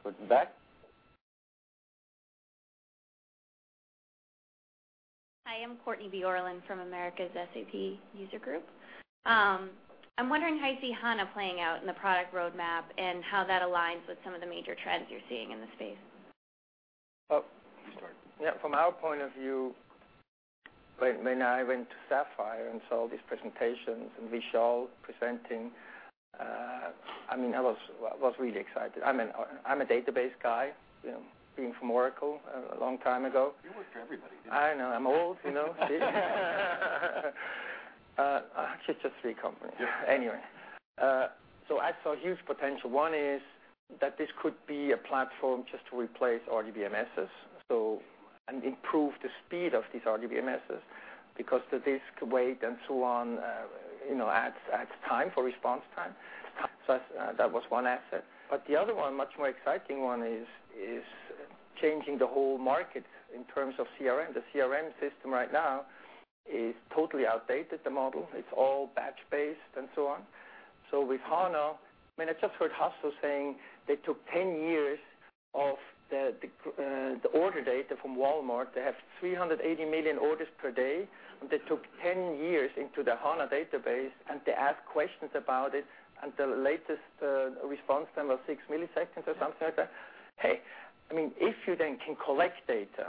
Towards the back. Hi, I'm Courtney Viorst from America's SAP User Group. I'm wondering how you see HANA playing out in the product roadmap and how that aligns with some of the major trends you're seeing in the space. Oh. Sorry. Yeah, from our point of view, when I went to Sapphire and saw all these presentations and Vishal presenting, I was really excited. I'm a database guy, being from Oracle a long time ago. You worked for everybody, didn't you? I know. I'm old. Actually, just three companies. Yeah. Anyway. I saw huge potential. One is that this could be a platform just to replace RDBMSs, and improve the speed of these RDBMSs because the disk wait and so on adds time for response time. That was one asset. The other one, much more exciting one is changing the whole market in terms of CRM. The CRM system right now is totally outdated, the model. It's all batch-based and so on. With HANA, I just heard Hasso saying they took 10 years of the order data from Walmart. They have 380 million orders per day, and they took 10 years into the HANA database, and they asked questions about it, and the latest response time was six milliseconds or something like that. Hey, if you then can collect data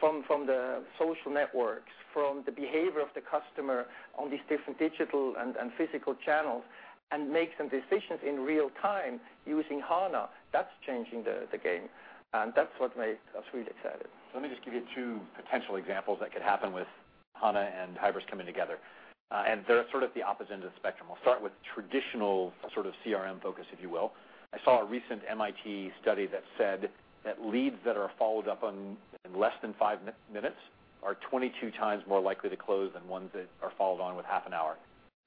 from the social networks, from the behavior of the customer on these different digital and physical channels, and make some decisions in real time using HANA, that's changing the game, and that's what made us really excited. Let me just give you two potential examples that could happen with HANA and Hybris coming together. They're sort of the opposite end of the spectrum. I'll start with traditional sort of CRM focus, if you will. I saw a recent MIT study that said that leads that are followed up on in less than five minutes are 22 times more likely to close than ones that are followed on with half an hour.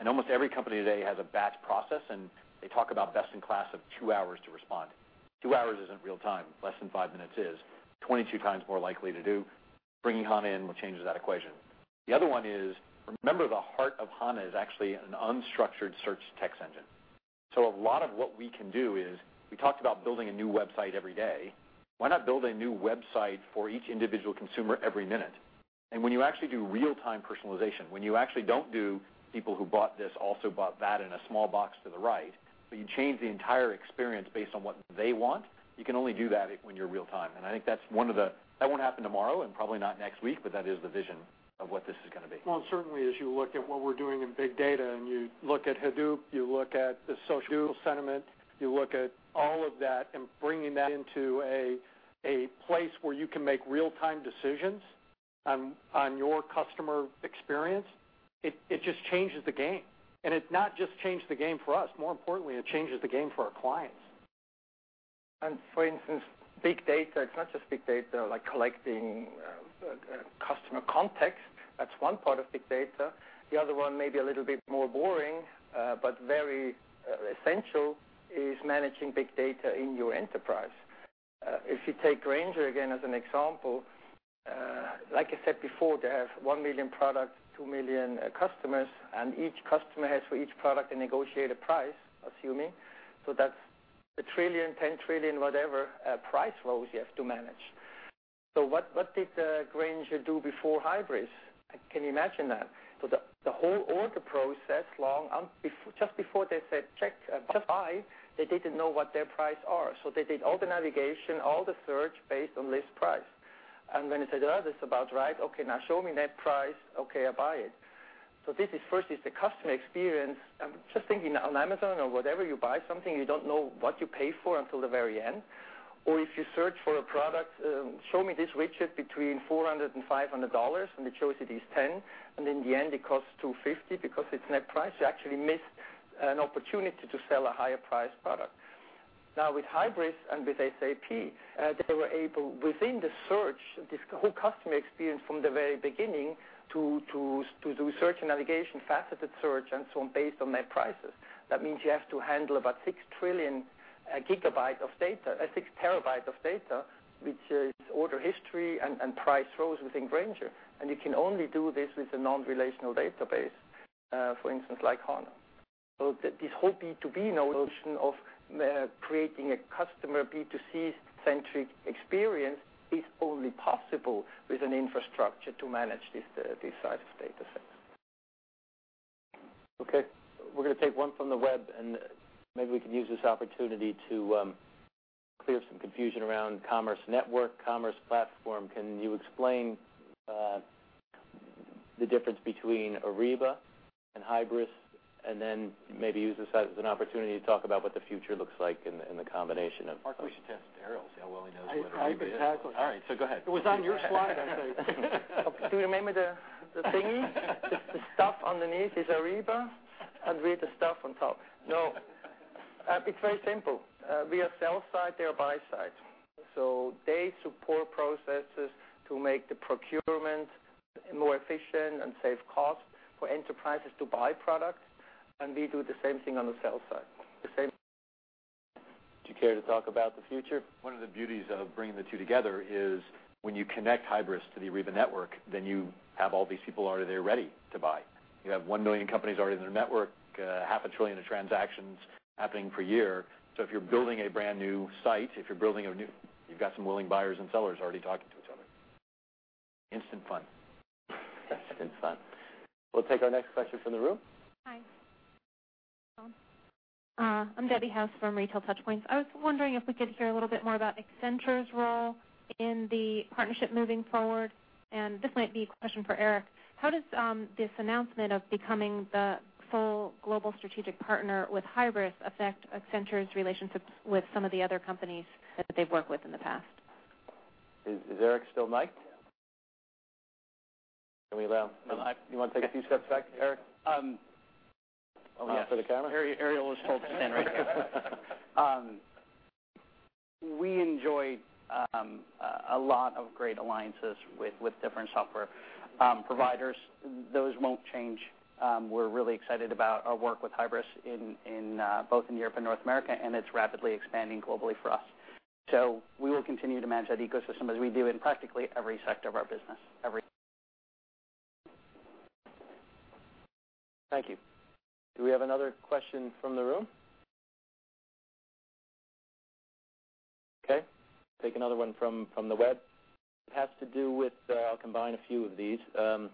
Almost every company today has a batch process, and they talk about best in class of two hours to respond. Two hours isn't real time, less than five minutes is. 22 times more likely to do. Bringing HANA in will change that equation. The other one is, remember the heart of HANA is actually an unstructured search text engine. A lot of what we can do is, we talked about building a new website every day. Why not build a new website for each individual consumer every minute? When you actually do real-time personalization, when you actually don't do people who bought this also bought that in a small box to the right. You change the entire experience based on what they want. You can only do that when you're real time. That won't happen tomorrow and probably not next week, but that is the vision of what this is going to be. Well, certainly as you look at what we're doing in big data, and you look at Hadoop, you look at the social sentiment, you look at all of that and bringing that into a place where you can make real-time decisions on your customer experience, it just changes the game. It not just changed the game for us. More importantly, it changes the game for our clients. For instance, big data, it's not just big data like collecting customer context. That's one part of big data. The other one may be a little bit more boring, but very essential, is managing big data in your enterprise. If you take Grainger again as an example, like I said before, they have 1 million products, 2 million customers, and each customer has, for each product, a negotiated price, assuming. That's 1 trillion, 10 trillion, whatever, price rows you have to manage. What did Grainger do before Hybris? Can you imagine that? The whole order process, just before they said check, just buy, they didn't know what their price are. They did all the navigation, all the search based on list price. When they said, "Oh, that's about right. Okay, now show me net price. Okay, I buy it." This is first is the customer experience. I'm just thinking on Amazon or whatever, you buy something, you don't know what you pay for until the very end. If you search for a product, show me this widget between 400 and EUR 500, and it shows it is 10. In the end, it costs 250 because it's net price. You actually missed an opportunity to sell a higher priced product. Now, with Hybris and with SAP, they were able, within the search, this whole customer experience from the very beginning, to do search and navigation, faceted search, and so on, based on net prices. That means you have to handle about 6 trillion GB of data, 6 TB of data, which is order history and price rows within Grainger. You can only do this with a non-relational database, for instance, like HANA. This whole B2B notion of creating a customer B2C-centric experience is only possible with an infrastructure to manage this size of data set. Okay, we're going to take one from the web, and maybe we can use this opportunity to clear some confusion around commerce network, commerce platform. Can you explain the difference between Ariba and Hybris, and then maybe use this as an opportunity to talk about what the future looks like in the combination of Mark, we should test Ariel, see how well he knows what Ariba is. I can tackle it. All right, go ahead. It was on your slide, I think. Do you remember the thingy? The stuff underneath is Ariba. We're the stuff on top. No. It's very simple. We are sell side, they are buy side. They support processes to make the procurement more efficient and save costs for enterprises to buy products. We do the same thing on the sell side. Do you care to talk about the future? One of the beauties of bringing the two together is when you connect Hybris to the Ariba network, then you have all these people already there ready to buy. You have 1 million companies already in their network, half a trillion of transactions happening per year. If you're building a brand-new site, if you're building You've got some willing buyers and sellers already talking to each other. Instant fun. Instant fun. We'll take our next question from the room. Hi. I'm Debbie Hauss from Retail TouchPoints. I was wondering if we could hear a little bit more about Accenture's role in the partnership moving forward, and this might be a question for Erik. How does this announcement of becoming the full global strategic partner with Hybris affect Accenture's relationships with some of the other companies that they've worked with in the past? Is Erik still mic'd? Can we allow You want to take a few steps back, Erik? Yes. For the camera? Ariel was told to stand right here. We enjoy a lot of great alliances with different software providers. Those won't change. We're really excited about our work with Hybris both in Europe and North America, and it's rapidly expanding globally for us. We will continue to manage that ecosystem as we do in practically every sector of our business. Thank you. Do we have another question from the room? Okay, take another one from the web. It has to do with, I'll combine a few of these, the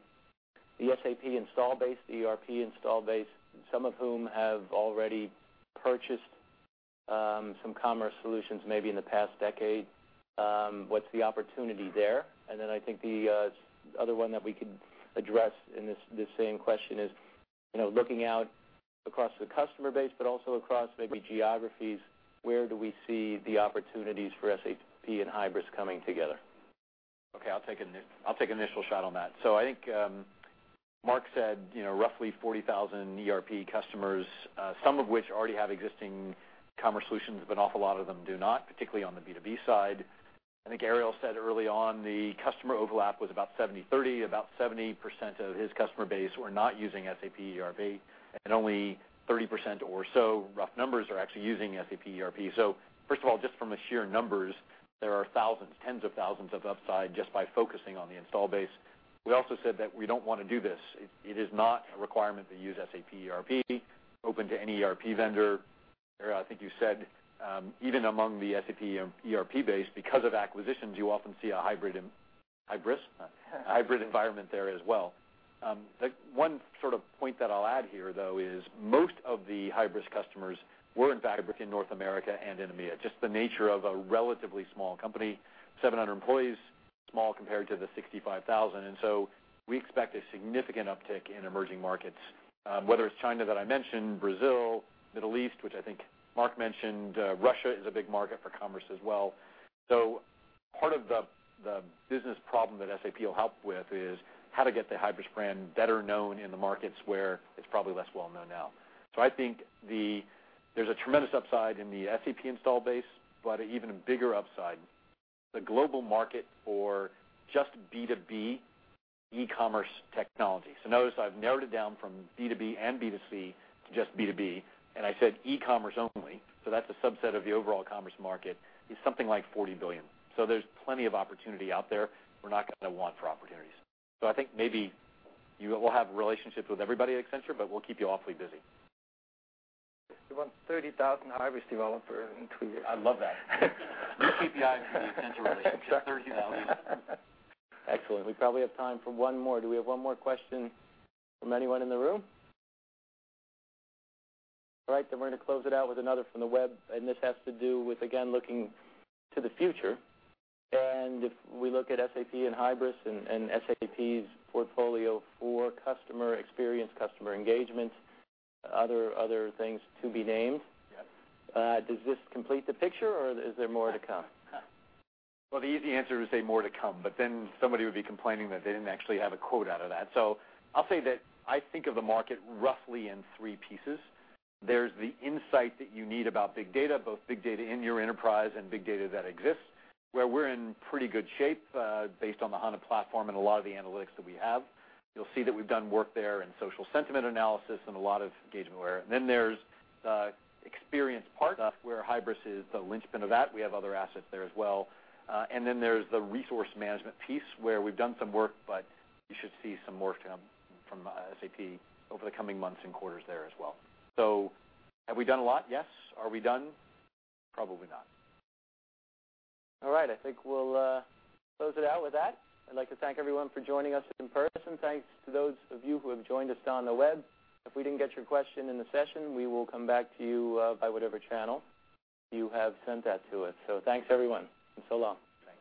SAP install base, the ERP install base, some of whom have already purchased some commerce solutions, maybe in the past decade. What's the opportunity there? I think the other one that we could address in this same question is, looking out across the customer base, but also across maybe geographies, where do we see the opportunities for SAP and Hybris coming together? Okay, I'll take an initial shot on that. I think Mark Ferrer said roughly 40,000 ERP customers, some of which already have existing commerce solutions, but an awful lot of them do not, particularly on the B2B side. I think Ariel Luedi said early on, the customer overlap was about 70/30. About 70% of his customer base were not using SAP ERP, and only 30% or so, rough numbers, are actually using SAP ERP. First of all, just from the sheer numbers, there are thousands, tens of thousands of upside just by focusing on the install base. We also said that we don't want to do this. It is not a requirement to use SAP ERP. Open to any ERP vendor. Ariel Luedi, I think you said even among the SAP ERP base, because of acquisitions, you often see a hybrid, Hybris? A hybrid environment there as well. One sort of point that I'll add here, though, is most of the Hybris customers were, in fact, within North America and in EMEA. Just the nature of a relatively small company, 700 employees, small compared to the 65,000. We expect a significant uptick in emerging markets, whether it's China that I mentioned, Brazil, Middle East, which I think Mark Ferrer mentioned. Russia is a big market for commerce as well. Part of the business problem that SAP will help with is how to get the Hybris brand better known in the markets where it's probably less well-known now. I think there's a tremendous upside in the SAP install base, but an even bigger upside, the global market for just B2B e-commerce technology. Notice I've narrowed it down from B2B and B2C to just B2B, and I said e-commerce only, so that's a subset of the overall commerce market, is something like 40 billion. There's plenty of opportunity out there. We're not going to want for opportunities. I think maybe you will have relationships with everybody at Accenture, but we'll keep you awfully busy. We want 30,000 Hybris developers in two years. I love that. New KPI for the Accenture relationship, 30,000. Excellent. We probably have time for one more. Do we have one more question from anyone in the room? All right, we're going to close it out with another from the web, and this has to do with, again, looking to the future, and if we look at SAP and Hybris and SAP's portfolio for customer experience, customer engagement, other things to be named. Yes does this complete the picture, or is there more to come? The easy answer is to say more to come, somebody would be complaining that they didn't actually have a quote out of that. I'll say that I think of the market roughly in three pieces. There's the insight that you need about big data, both big data in your enterprise and big data that exists, where we're in pretty good shape based on the SAP HANA platform and a lot of the analytics that we have. You'll see that we've done work there in social sentiment analysis and a lot of engagement. There's the experience part, where Hybris is the linchpin of that. We have other assets there as well. There's the resource management piece, where we've done some work, you should see some more to come from SAP over the coming months and quarters there as well. Have we done a lot? Yes. Are we done? Probably not. All right. I think we'll close it out with that. I'd like to thank everyone for joining us in person. Thanks to those of you who have joined us on the web. If we didn't get your question in the session, we will come back to you by whatever channel you have sent that to us. Thanks, everyone, and so long. Thanks.